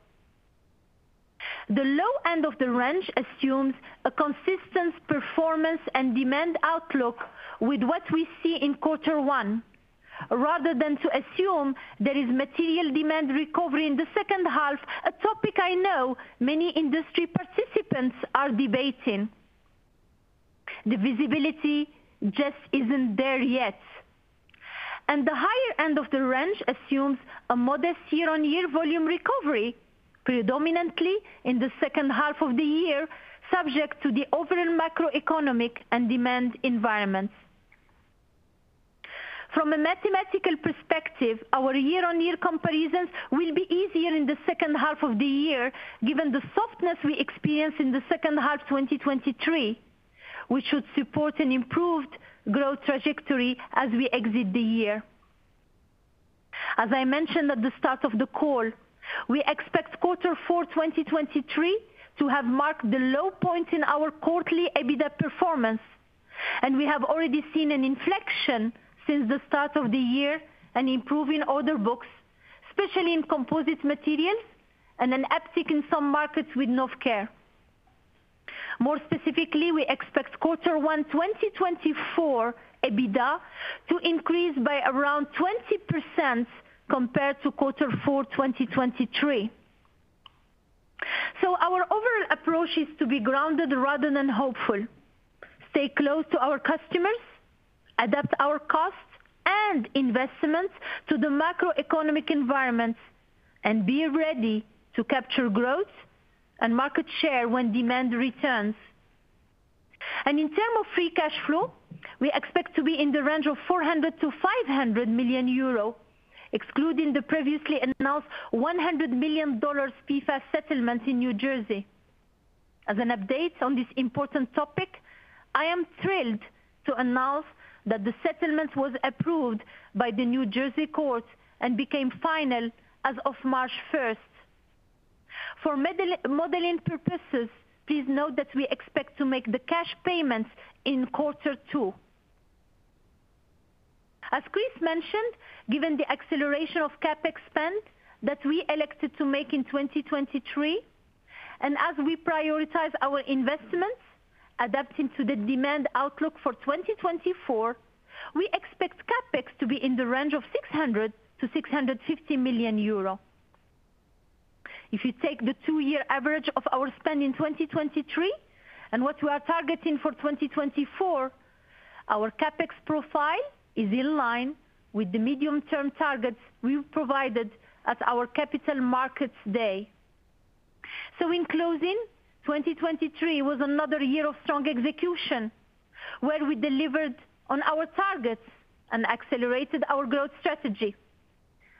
The low end of the range assumes a consistent performance and demand outlook with what we see in quarter one, rather than to assume there is material demand recovery in the second half, a topic I know many industry participants are debating. The visibility just isn't there yet. The higher end of the range assumes a modest year-on-year volume recovery, predominantly in the second half of the year, subject to the overall macroeconomic and demand environments. From a mathematical perspective, our year-on-year comparisons will be easier in the second half of the year, given the softness we experience in the second half of 2023, which should support an improved growth trajectory as we exit the year. As I mentioned at the start of the call, we expect quarter four 2023 to have marked the low point in our quarterly EBITDA performance, and we have already seen an inflection since the start of the year and improving order books, especially in Composite Materials and an uptick in some markets with Novecare. More specifically, we expect quarter one 2024 EBITDA to increase by around 20% compared to quarter four 2023. So our overall approach is to be grounded rather than hopeful. Stay close to our customers, adapt our costs and investments to the macroeconomic environments, and be ready to capture growth and market share when demand returns. In terms of free cash flow, we expect to be in the range of 400 million-500 million euro, excluding the previously announced $100 million PFAS settlement in New Jersey. As an update on this important topic, I am thrilled to announce that the settlement was approved by the New Jersey Court and became final as of March 1st. For modeling purposes, please note that we expect to make the cash payments in quarter two. As Chris mentioned, given the acceleration of CapEx spend that we elected to make in 2023, and as we prioritize our investments, adapting to the demand outlook for 2024, we expect CapEx to be in the range of 600 million-650 million euro. If you take the two-year average of our spend in 2023 and what we are targeting for 2024, our CapEx profile is in line with the medium-term targets we provided at our Capital Markets Day. So in closing, 2023 was another year of strong execution, where we delivered on our targets and accelerated our growth strategy.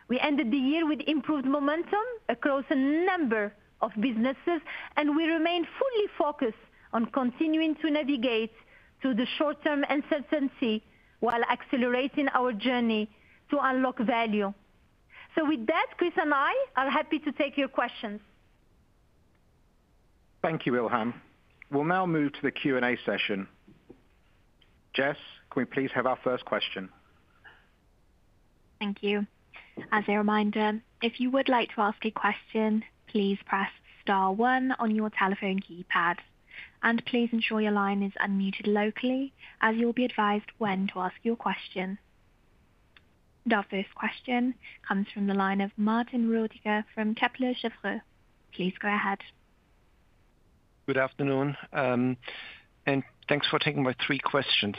We ended the year with improved momentum across a number of businesses, and we remain fully focused on continuing to navigate through the short-term uncertainty while accelerating our journey to unlock value. So with that, Chris and I are happy to take your questions. Thank you, Ilham. We'll now move to the Q&A session. Jess, can we please have our first question? Thank you. As a reminder, if you would like to ask a question, please press star one on your telephone keypad. Please ensure your line is unmuted locally, as you'll be advised when to ask your question. Our first question comes from the line of Martin Roediger from Kepler Cheuvreux. Please go ahead. Good afternoon. Thanks for taking my three questions.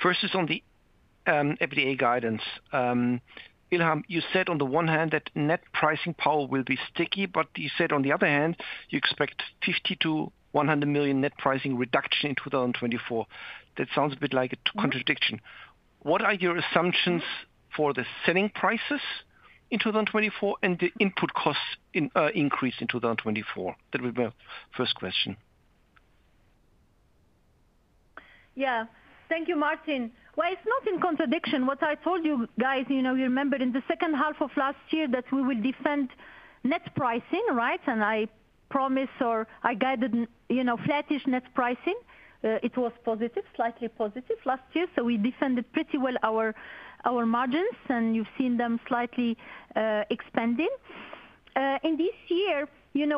First is on the EBITDA guidance. Ilham, you said on the one hand that net pricing power will be sticky, but you said on the other hand, you expect 50 million-100 million net pricing reduction in 2024. That sounds a bit like a contradiction. What are your assumptions for the selling prices in 2024 and the input cost increase in 2024? That would be my first question. Yeah. Thank you, Martin. Well, it's not in contradiction. What I told you guys, you remember in the second half of last year that we will defend net pricing, right? And I promised or I guided flattish net pricing. It was positive, slightly positive last year. So we defended pretty well our margins, and you've seen them slightly expanding. In this year,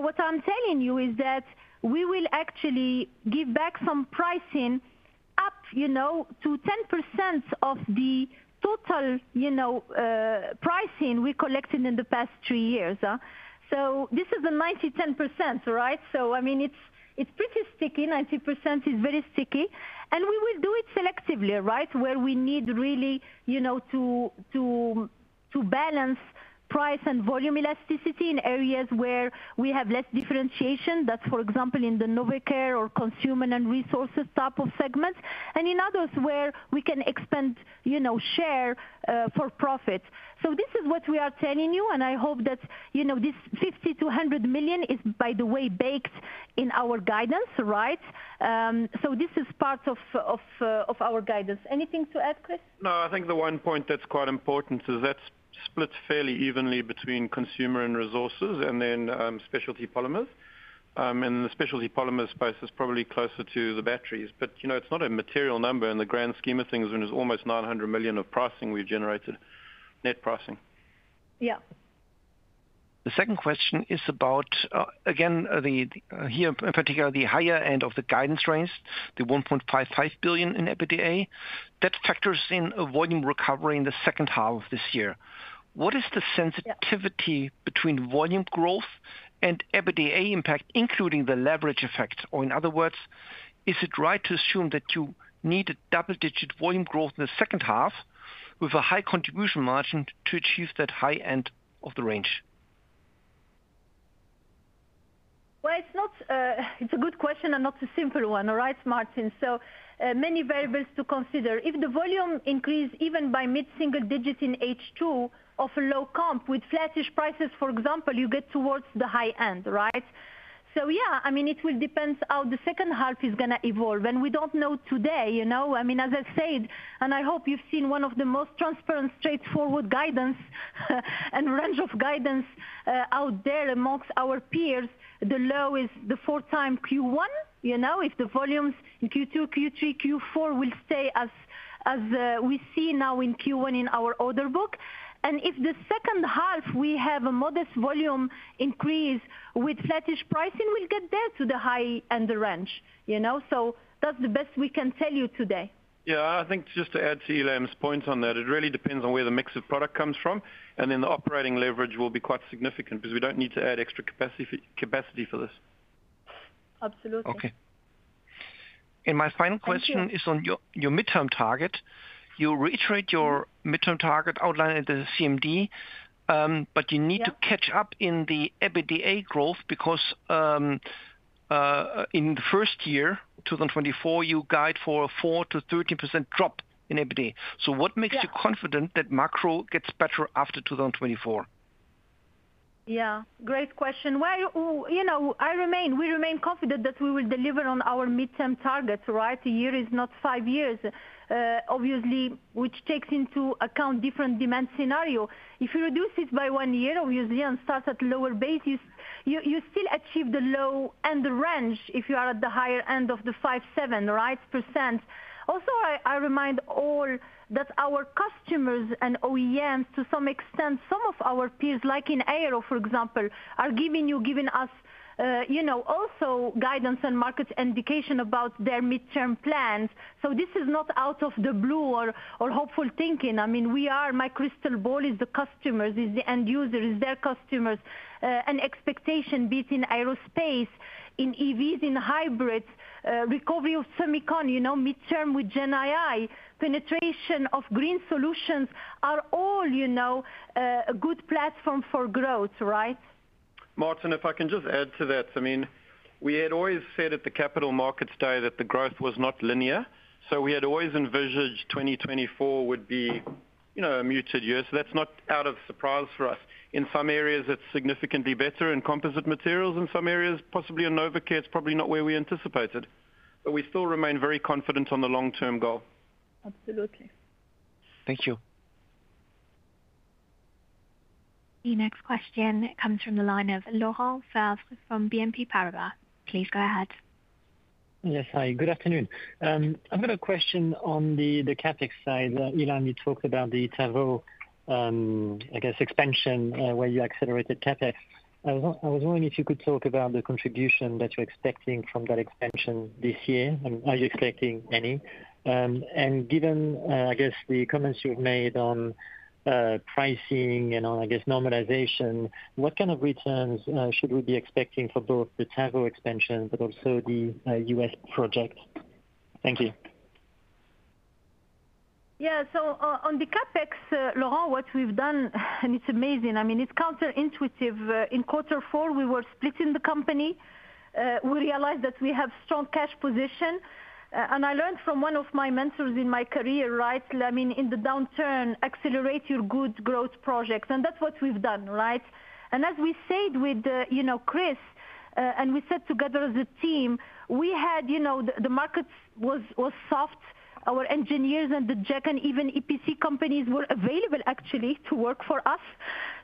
what I'm telling you is that we will actually give back some pricing up to 10% of the total pricing we collected in the past three years. So this is the 90-10%, right? So I mean, it's pretty sticky. 90% is very sticky. And we will do it selectively, right, where we need really to balance price and volume elasticity in areas where we have less differentiation. That's, for example, in the Novecare or Consumer & Resources type of segments, and in others where we can expand share for profit. So this is what we are telling you, and I hope that this $50 million-$100 million is, by the way, baked in our guidance, right? So this is part of our guidance. Anything to add, Chris? No, I think the one point that's quite important is that splits fairly evenly between Consumer & Resources and then Specialty Polymers. And the specialty polymer space is probably closer to the batteries. But it's not a material number. In the grand scheme of things, when it's almost $900 million of pricing we've generated, net pricing. Yeah. The second question is about, again, here, in particular, the higher end of the guidance range, the $1.55 billion in EBITDA. That factors in volume recovery in the second half of this year. What is the sensitivity between volume growth and EBITDA impact, including the leverage effect? Or in other words, is it right to assume that you need a double-digit volume growth in the second half with a high contribution margin to achieve that high end of the range? Well, it's a good question and not a simple one, all right, Martin? So many variables to consider. If the volume increases even by mid-single digit in H2 of a low comp, with flattish prices, for example, you get towards the high end, right? So yeah, I mean, it will depend how the second half is going to evolve. And we don't know today. I mean, as I said, and I hope you've seen one of the most transparent, straightforward guidance and range of guidance out there amongst our peers, the low is the 4x Q1, if the volumes in Q2, Q3, Q4 will stay as we see now in Q1 in our order book. If the second half we have a modest volume increase with flattish pricing, we'll get there to the high end range. That's the best we can tell you today. Yeah, I think just to add to Ilham's point on that, it really depends on where the mix of product comes from. Then the operating leverage will be quite significant because we don't need to add extra capacity for this. Absolutely. Okay. My final question is on your midterm target. You reiterate your midterm target outlined at the CMD, but you need to catch up in the EBITDA growth because in the first year, 2024, you guide for a 4%-13% drop in EBITDA. What makes you confident that macro gets better after 2024? Yeah. Great question. Well, we remain confident that we will deliver on our midterm targets, right? A year is not five years, obviously, which takes into account different demand scenarios. If you reduce it by one year, obviously, and start at lower basis, you still achieve the low end range if you are at the higher end of the 5%-7%. Also, I remind all that our customers and OEMs, to some extent, some of our peers, like in aero, for example, are giving us also guidance and markets indication about their midterm plans. So this is not out of the blue or hopeful thinking. I mean, my crystal ball is the customers, is the end user, is their customers. And expectation beating aerospace, in EVs, in hybrids, recovery of semiconductors, midterm with GenAI, penetration of green solutions are all a good platform for growth, right? Martin, if I can just add to that. I mean, we had always said at the Capital Markets Day that the growth was not linear. So we had always envisaged 2024 would be a muted year. So that's not out of surprise for us. In some areas, it's significantly better in Composite Materials. In some areas, possibly in Novecare, it's probably not where we anticipated. But we still remain very confident on the long-term goal. Absolutely. Thank you. The next question comes from the line of Laurent Favre from BNP Paribas. Please go ahead. Yes, hi. Good afternoon. I've got a question on the CapEx side. Ilham, you talked about the Tavaux, I guess, expansion where you accelerated CapEx. I was wondering if you could talk about the contribution that you're expecting from that expansion this year, and are you expecting any? Given, I guess, the comments you've made on pricing and on, I guess, normalization, what kind of returns should we be expecting for both the Tavaux expansion but also the US project? Thank you. Yeah. So on the CapEx, Laurent, what we've done, and it's amazing. I mean, it's counterintuitive. In quarter four, we were splitting the company. We realized that we have strong cash position. And I learned from one of my mentors in my career, right? I mean, in the downturn, accelerate your good growth projects. And that's what we've done, right? And as we said with Chris, and we said together as a team, we had the markets was soft. Our engineers and the JGC and even EPC companies were available, actually, to work for us.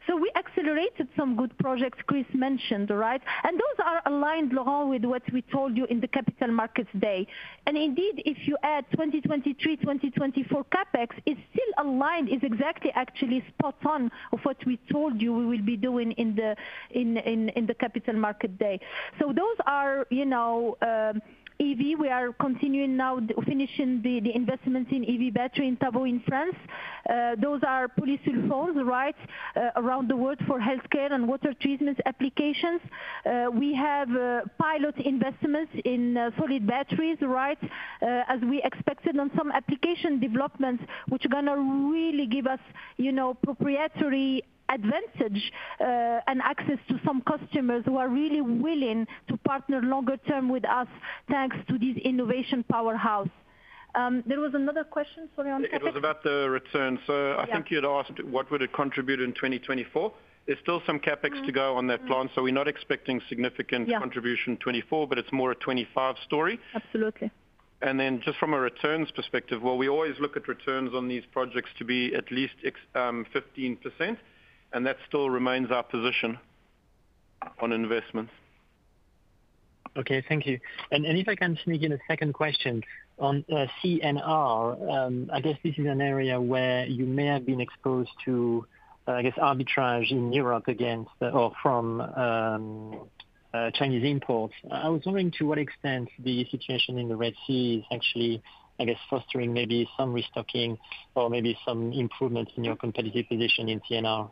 So we accelerated some good projects Chris mentioned, right? Those are aligned, Laurent, with what we told you in the Capital Markets Day. And indeed, if you add 2023, 2024 CapEx, it's still aligned. It's exactly, actually, spot-on of what we told you we will be doing in the Capital Markets Day. So those are EV. We are continuing now, finishing the investments in EV battery in Tavaux in France. Those are polysulfones, right, around the world for healthcare and water treatment applications. We have pilot investments in solid batteries, right, as we expected on some application developments, which are going to really give us proprietary advantage and access to some customers who are really willing to partner longer-term with us thanks to these innovation powerhouses. There was another question. Sorry, on CapEx. It was about the return. So I think you'd asked what would it contribute in 2024. There's still some CapEx to go on that plan. So we're not expecting significant contribution 2024, but it's more a 2025 story. And then just from a returns perspective, well, we always look at returns on these projects to be at least 15%. And that still remains our position on investments. Okay. Thank you. And if I can sneak in a second question on C&R, I guess this is an area where you may have been exposed to, I guess, arbitrage in Europe against or from Chinese imports. I was wondering to what extent the situation in the Red Sea is actually, I guess, fostering maybe some restocking or maybe some improvements in your competitive position in C&R?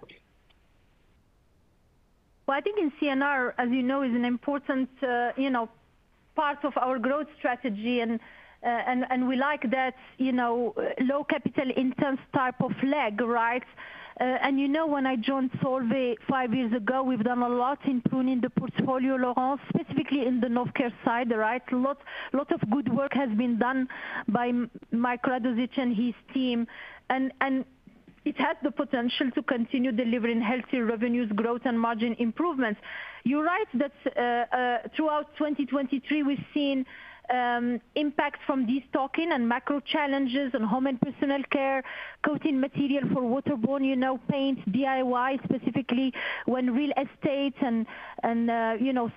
Well, I think in C&R, as you know, is an important part of our growth strategy. And we like that low-capital-intense type of leg, right? When I joined Solvay five years ago, we've done a lot in pruning the portfolio, Laurent, specifically in the Novecare side, right? A lot of good work has been done by Michael Radossich and his team. It has the potential to continue delivering healthier revenues, growth, and margin improvements. You're right that throughout 2023, we've seen impacts from destocking and macro challenges on home and personal care, coating material for waterborne paints, DIY, specifically when real estate and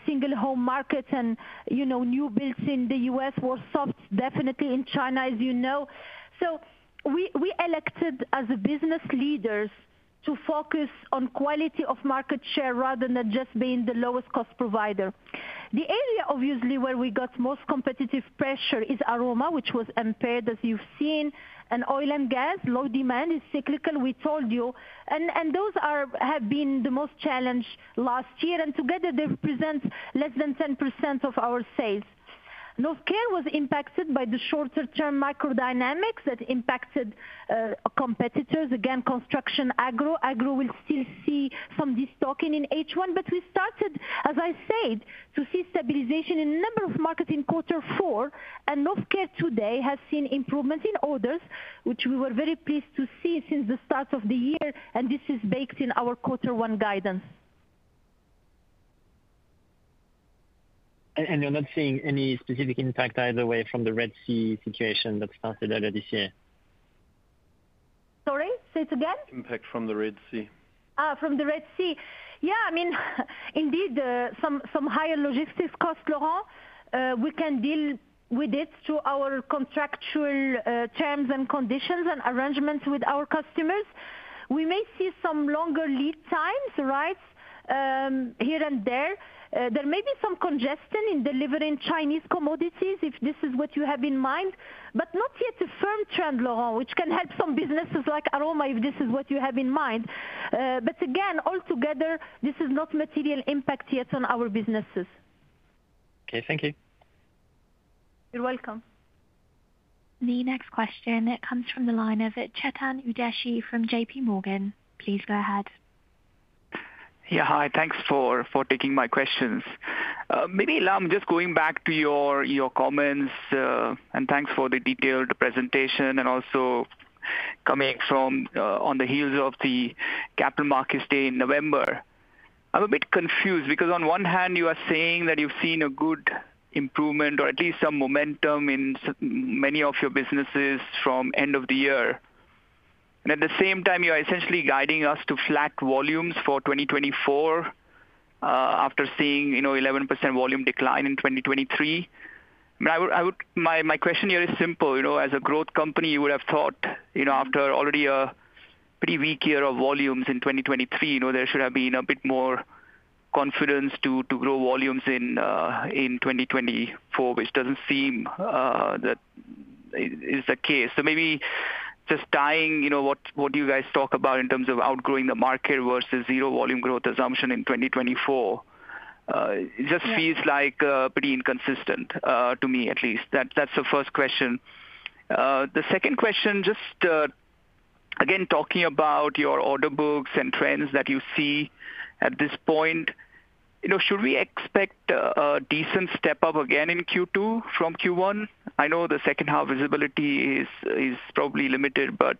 single-home markets and new builds in the U.S. were soft, definitely in China, as you know. So we elected as business leaders to focus on quality of market share rather than just being the lowest-cost provider. The area, obviously, where we got most competitive pressure is Aroma, which was impaired, as you've seen, and oil and gas. Low demand is cyclical, we told you. And those have been the most challenged last year. And together, they represent less than 10% of our sales. Novecare was impacted by the shorter-term microdynamics that impacted competitors. Again, construction, agro. Agro will still see some destocking in H1. But we started, as I said, to see stabilization in a number of markets in quarter four. And Novecare today has seen improvements in orders, which we were very pleased to see since the start of the year. And this is baked in our quarter one guidance. And you're not seeing any specific impact either way from the Red Sea situation that started earlier this year? Sorry? Say it again. Impact from the Red Sea. From the Red Sea. Yeah. I mean, indeed, some higher logistics costs, Laurent. We can deal with it through our contractual terms and conditions and arrangements with our customers. We may see some longer lead times, right, here and there. There may be some congestion in delivering Chinese commodities if this is what you have in mind, but not yet a firm trend, Laurent, which can help some businesses like Aroma if this is what you have in mind. But again, altogether, this is not material impact yet on our businesses. Okay. Thank you. You're welcome. The next question comes from the line of Chetan Udeshi from JPMorgan. Please go ahead. Yeah. Hi. Thanks for taking my questions. Maybe, Ilham, just going back to your comments. And thanks for the detailed presentation and also coming from on the heels of the Capital Markets Day in November. I'm a bit confused because on one hand, you are saying that you've seen a good improvement or at least some momentum in many of your businesses from end of the year. At the same time, you are essentially guiding us to flat volumes for 2024 after seeing 11% volume decline in 2023. I mean, my question here is simple. As a growth company, you would have thought after already a pretty weak year of volumes in 2023, there should have been a bit more confidence to grow volumes in 2024, which doesn't seem that is the case. So maybe just tying what you guys talk about in terms of outgrowing the market versus zero volume growth assumption in 2024 just feels pretty inconsistent to me, at least. That's the first question. The second question, just again, talking about your order books and trends that you see at this point, should we expect a decent step-up again in Q2 from Q1? I know the second-half visibility is probably limited, but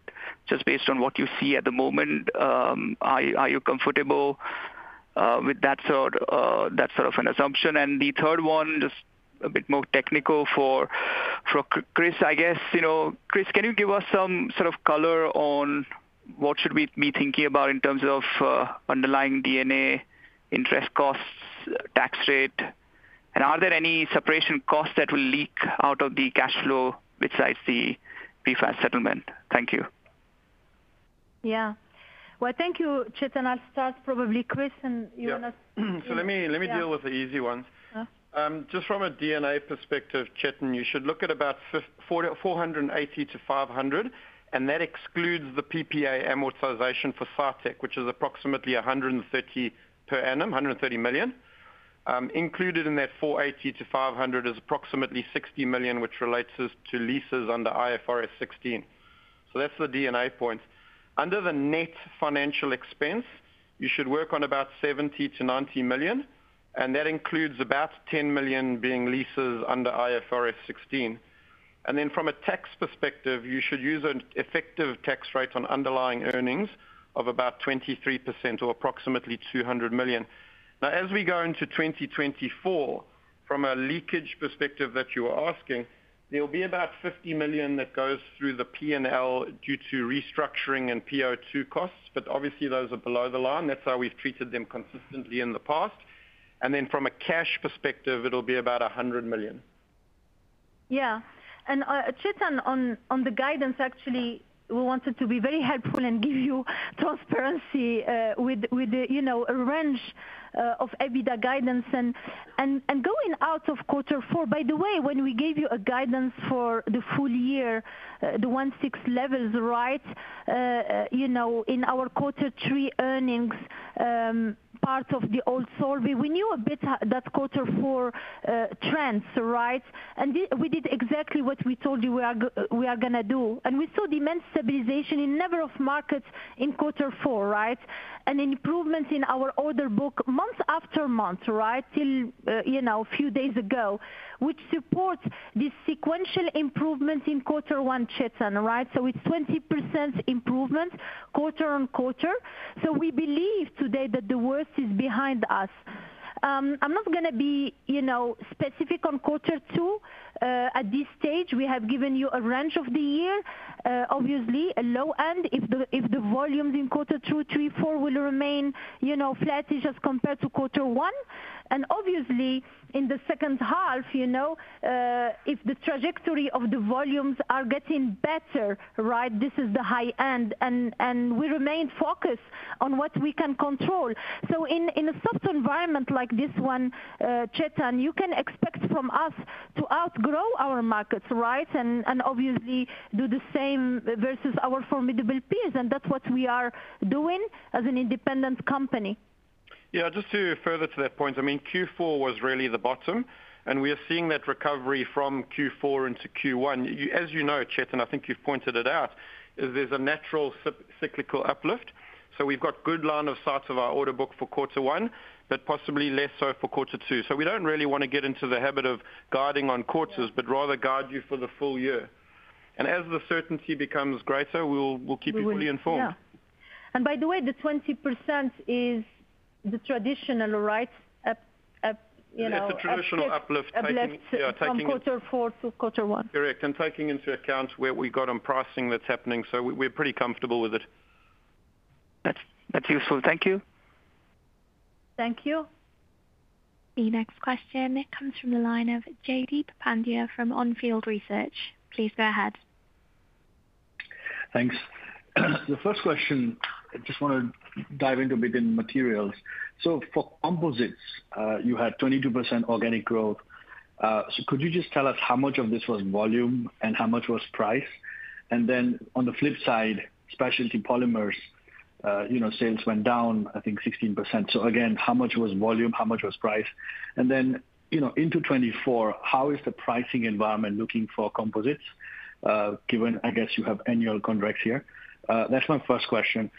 just based on what you see at the moment, are you comfortable with that sort of an assumption? And the third one, just a bit more technical for Chris, I guess. Chris, can you give us some sort of color on what should we be thinking about in terms of underlying D&A, interest costs, tax rate? And are there any separation costs that will leak out of the cash flow besides the PFAS settlement? Thank you. Yeah. Well, thank you, Chetan. I'll start probably Chris, and you're going to. Yeah. So let me deal with the easy ones. Just from a D&A perspective, Chetan, you should look at about 480-500. And that excludes the PPA amortization for Cytec, which is approximately 130 million per annum. Included in that 480 million-500 million is approximately 60 million, which relates to leases under IFRS 16. So that's the EBITDA points. Under the net financial expense, you should work on about 70 million-90 million. And that includes about 10 million being leases under IFRS 16. And then from a tax perspective, you should use an effective tax rate on underlying earnings of about 23% or approximately 200 million. Now, as we go into 2024, from a leakage perspective that you were asking, there will be about 50 million that goes through the P&L due to restructuring and PO2 costs. But obviously, those are below the line. That's how we've treated them consistently in the past. And then from a cash perspective, it'll be about 100 million. Yeah. And Chetan, on the guidance, actually, we wanted to be very helpful and give you transparency with a range of EBITDA guidance. And going out of quarter four, by the way, when we gave you a guidance for the full year, the 1.6 levels, right, in our quarter three earnings, part of the old Solvay, we knew a bit that quarter four trends, right? And we did exactly what we told you we are going to do. And we saw demand stabilization in a number of markets in quarter four, right, and improvements in our order book month after month, right, till a few days ago, which supports this sequential improvement in quarter one, Chetan, right? So it's 20% improvement quarter-on-quarter. So we believe today that the worst is behind us. I'm not going to be specific on quarter two. At this stage, we have given you a range of the year, obviously, a low end if the volumes in quarter two, three, four will remain flattest as compared to quarter one. And obviously, in the second half, if the trajectory of the volumes are getting better, right, this is the high end. And we remain focused on what we can control. So in a soft environment like this one, Chetan, you can expect from us to outgrow our markets, right, and obviously do the same versus our formidable peers. And that's what we are doing as an independent company. Yeah. Just to further to that point, I mean, Q4 was really the bottom. And we are seeing that recovery from Q4 into Q1. As you know, Chetan, I think you've pointed it out, there's a natural cyclical uplift. So we've got good line of sight of our order book for quarter one, but possibly less so for quarter two. So we don't really want to get into the habit of guiding on quarters, but rather guide you for the full year. And as the certainty becomes greater, we'll keep you fully informed. Yeah. And by the way, the 20% is the traditional, right? It's a traditional uplift. Yeah. Taking from quarter four to quarter one. Correct. And taking into account where we got on pricing that's happening. So we're pretty comfortable with it. That's useful. Thank you. Thank you. The next question comes from the line of Jaideep Pandya from On Field Research. Please go ahead. Thanks. The first question, I just want to dive into a bit in materials. So for composites, you had 22% organic growth. So could you just tell us how much of this was volume and how much was price? And then on the flip side, Specialty Polymers sales went down, I think, 16%. So again, how much was volume? How much was price? And then into 2024, how is the pricing environment looking for composites given, I guess, you have annual contracts here? That's my first question.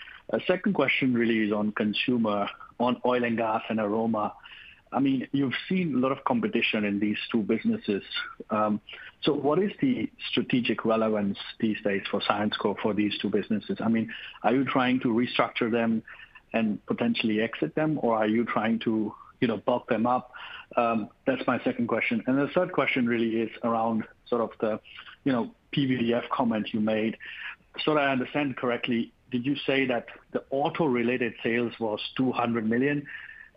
Second question really is on consumer, on oil and gas and Aroma. I mean, you've seen a lot of competition in these two businesses. So what is the strategic relevance these days for Syensqo for these two businesses? I mean, are you trying to restructure them and potentially exit them, or are you trying to bulk them up? That's my second question. And the third question really is around sort of the PVDF comment you made. So that I understand correctly, did you say that the auto-related sales was 200 million?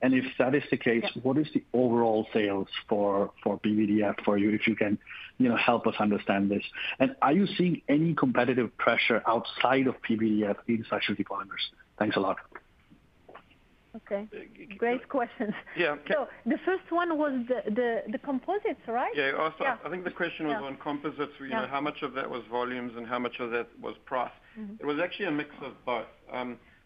And if that is the case, what is the overall sales for PVDF for you if you can help us understand this? And are you seeing any competitive pressure outside of PVDF in Specialty Polymers? Thanks a lot. Okay. Great questions. Yeah. So the first one was the composites, right? Yeah. I think the question was on composites, how much of that was volumes and how much of that was price. It was actually a mix of both.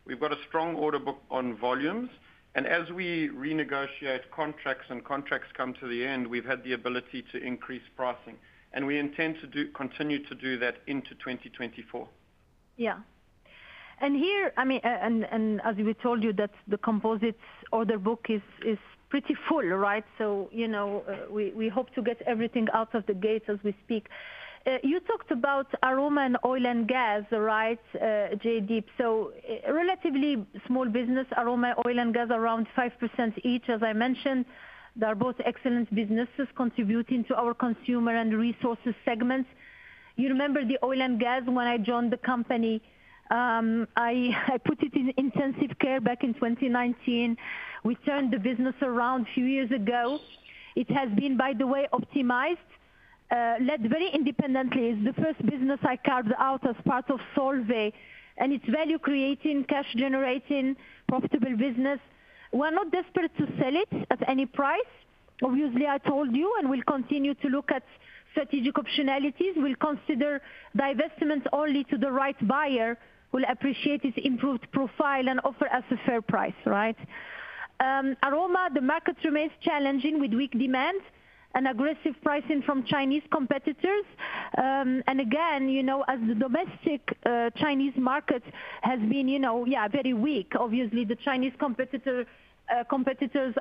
We've got a strong order book on volumes. And as we renegotiate contracts and contracts come to the end, we've had the ability to increase pricing. And we intend to continue to do that into 2024. Yeah. And here, I mean, and as we told you, the composites order book is pretty full, right? So we hope to get everything out of the gate as we speak. You talked about Aroma and oil and gas, right, Jaideep? So relatively small business, Aroma, oil and gas, around 5% each, as I mentioned. They are both excellent businesses contributing to our Consumer & Resources segments. You remember the oil and gas when I joined the company. I put it in intensive care back in 2019. We turned the business around a few years ago. It has been, by the way, optimized, led very independently. It's the first business I carved out as part of Solvay. And it's value-creating, cash-generating, profitable business. We're not desperate to sell it at any price. Obviously, I told you, and we'll continue to look at strategic optionalities. We'll consider divestment only to the right buyer who will appreciate its improved profile and offer us a fair price, right? Aroma, the market remains challenging with weak demand and aggressive pricing from Chinese competitors. And again, as the domestic Chinese market has been, yeah, very weak, obviously, the Chinese competitors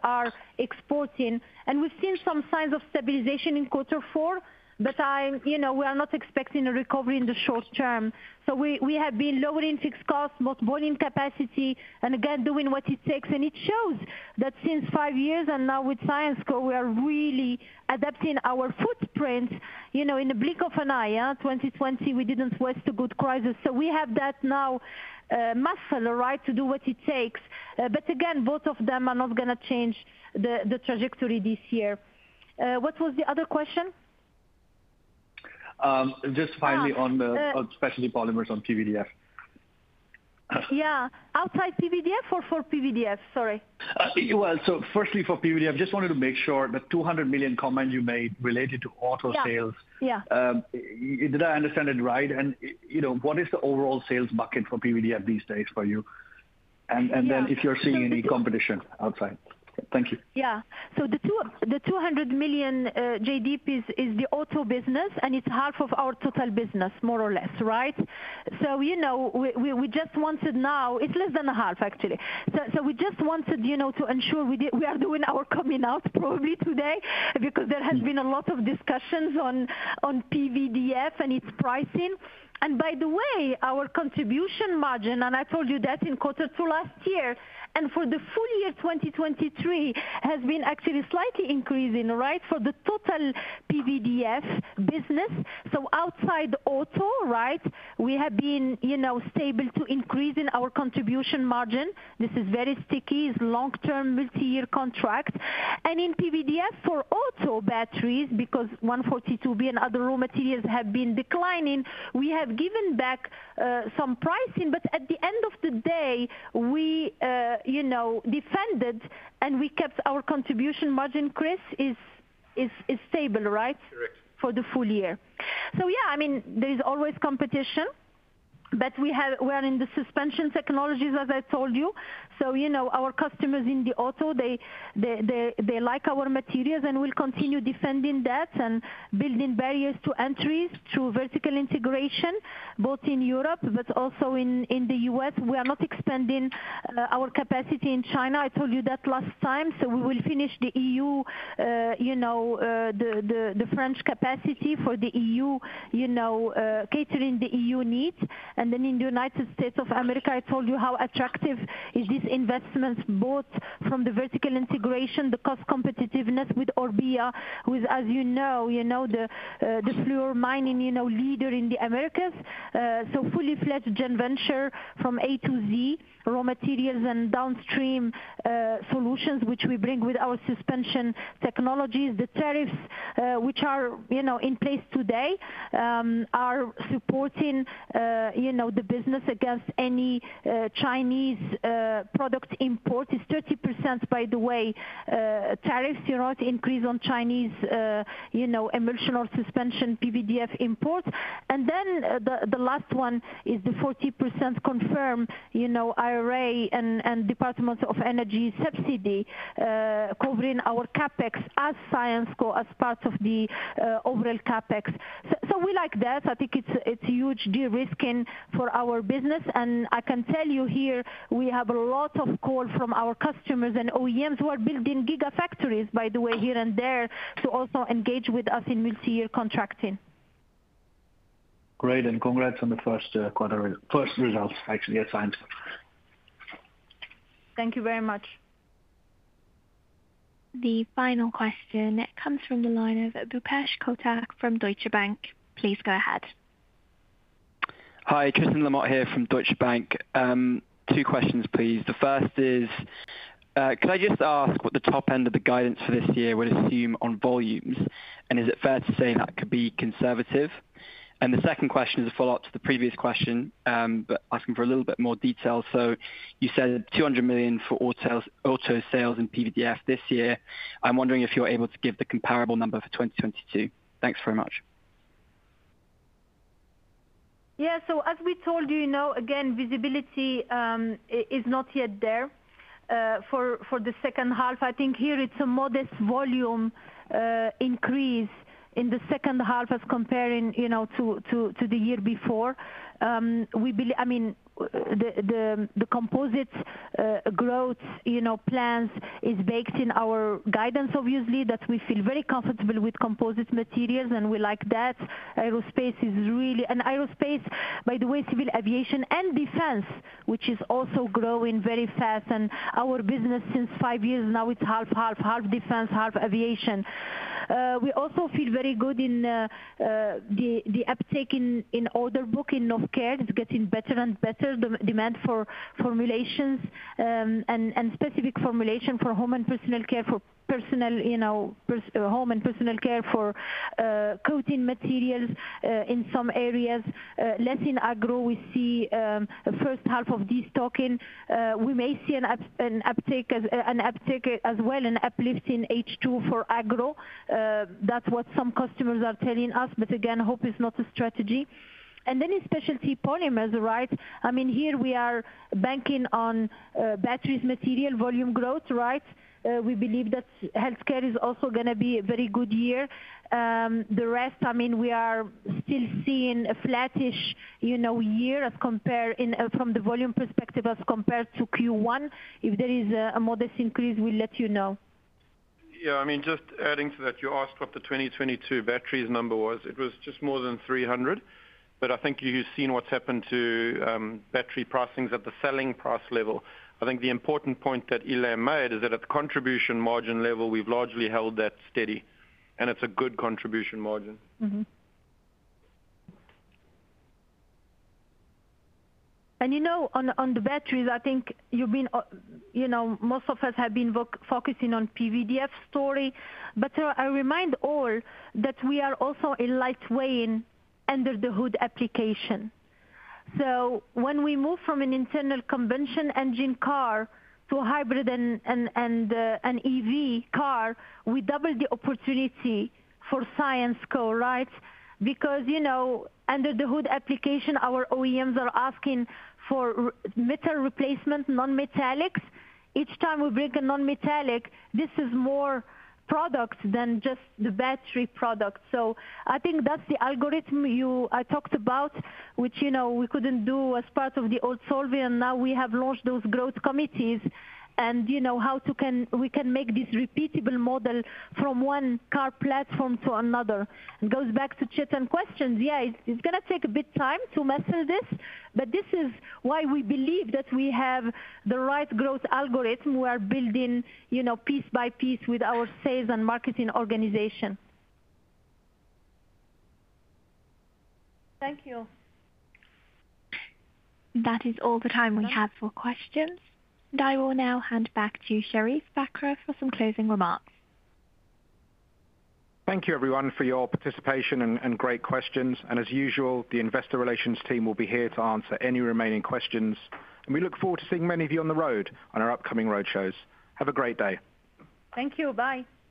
are exporting. And we've seen some signs of stabilization in quarter four, but we are not expecting a recovery in the short term. So we have been lowering fixed costs, mothballing capacity, and again, doing what it takes. And it shows that since five years and now with Syensqo, we are really adapting our footprint in the blink of an eye. 2020, we didn't waste a good crisis. So we have that now muscle, right, to do what it takes. But again, both of them are not going to change the trajectory this year. What was the other question? Just finally on Specialty Polymers on PVDF. Yeah. Outside PVDF or for PVDF? Sorry. Well, so firstly, for PVDF, I just wanted to make sure the 200 million comment you made related to auto sales, did I understand it right? And what is the overall sales bucket for PVDF these days for you? And then if you're seeing any competition outside. Thank you. Yeah. So the 200 million, Jaideep, is the auto business. And it's half of our total business, more or less, right? So we just wanted now it's less than half, actually. So we just wanted to ensure we are doing our coming out probably today because there has been a lot of discussions on PVDF and its pricing. And by the way, our contribution margin, and I told you that in quarter two last year and for the full year 2023, has been actually slightly increasing, right, for the total PVDF business. So outside auto, right, we have been stable to increase in our contribution margin. This is very sticky. It's long-term, multi-year contract. And in PVDF for auto batteries because R142b and other raw materials have been declining, we have given back some pricing. But at the end of the day, we defended and we kept our contribution margin. Cash is stable, right, for the full year. So yeah, I mean, there is always competition. But we are in the suspension technologies, as I told you. So our customers in the auto, they like our materials. And we'll continue defending that and building barriers to entries through vertical integration, both in Europe but also in the U.S. We are not expanding our capacity in China. I told you that last time. So we will finish the EU, the French capacity for the EU, catering the EU needs. And then in the United States of America, I told you how attractive is this investment, both from the vertical integration, the cost competitiveness with Orbia, with, as you know, the fluorspar mining leader in the Americas. So fully-fledged joint venture from A to Z, raw materials and downstream solutions, which we bring with our suspension technologies. The tariffs, which are in place today, are supporting the business against any Chinese product import. It's 30%, by the way, tariffs, right, increase on Chinese emulsion or suspension PVDF imports. And then the last one is the 40% confirmed IRA and Department of Energy subsidy covering our CapEx as Syensqo as part of the overall CapEx. So we like that. I think it's huge de-risking for our business. And I can tell you here, we have a lot of call from our customers and OEMs. We're building gigafactories, by the way, here and there to also engage with us in multi-year contracting. Great. And congrats on the first results, actually, at Syensqo. Thank you very much. The final question comes from the line of Bhupesh Kothak from Deutsche Bank. Please go ahead. Hi. Tristan Lamotte here from Deutsche Bank. Two questions, please. The first is, could I just ask what the top end of the guidance for this year would assume on volumes? And is it fair to say that could be conservative? And the second question is a follow-up to the previous question, but asking for a little bit more detail. So you said 200 million for auto sales in PVDF this year. I'm wondering if you're able to give the comparable number for 2022. Thanks very much. Yeah. So as we told you, again, visibility is not yet there for the second half. I think here it's a modest volume increase in the second half as comparing to the year before. I mean, the composite growth plans is baked in our guidance, obviously, that we feel very comfortable with Composite Materials. And we like that. Aerospace is really and aerospace, by the way, civil aviation and defense, which is also growing very fast. And our business since five years now, it's 50/50, half defense, half aviation. We also feel very good in the uptake in order book in healthcare. It's getting better and better, the demand for formulations and specific formulation for home and personal care, for home and personal care, for coating materials in some areas. Less in agro, we see first half of this year. We may see an uptake as well, an uplift in H2 for agro. That's what some customers are telling us. But again, hope is not a strategy. And then in Specialty Polymers, right, I mean, here we are banking on battery materials, volume growth, right? We believe that healthcare is also going to be a very good year. The rest, I mean, we are still seeing a flatish year from the volume perspective as compared to Q1. If there is a modest increase, we'll let you know. Yeah. I mean, just adding to that, you asked what the 2022 batteries number was. It was just more than 300. But I think you've seen what's happened to battery pricings at the selling price level. I think the important point that Ilham made is that at the contribution margin level, we've largely held that steady. And it's a good contribution margin. And on the batteries, I think you've been most of us have been focusing on PVDF story. But I remind all that we are also a lightweight under-the-hood application. So when we move from an internal combustion engine car to a hybrid and an EV car, we double the opportunity for Syensqo, right? Because under-the-hood application, our OEMs are asking for metal replacement, non-metallics. Each time we bring a non-metallic, this is more product than just the battery product. So I think that's the algorithm I talked about, which we couldn't do as part of the old Solvay. And now we have launched those growth committees. And how we can make this repeatable model from one car platform to another. It goes back to Chetan's questions. Yeah, it's going to take a bit time to message this. But this is why we believe that we have the right growth algorithm. We are building piece by piece with our sales and marketing organization. Thank you. That is all the time we have for questions. I will now hand back to Sherief Bakr for some closing remarks. Thank you, everyone, for your participation and great questions. As usual, the investor relations team will be here to answer any remaining questions. We look forward to seeing many of you on the road on our upcoming road shows. Have a great day. Thank you. Bye.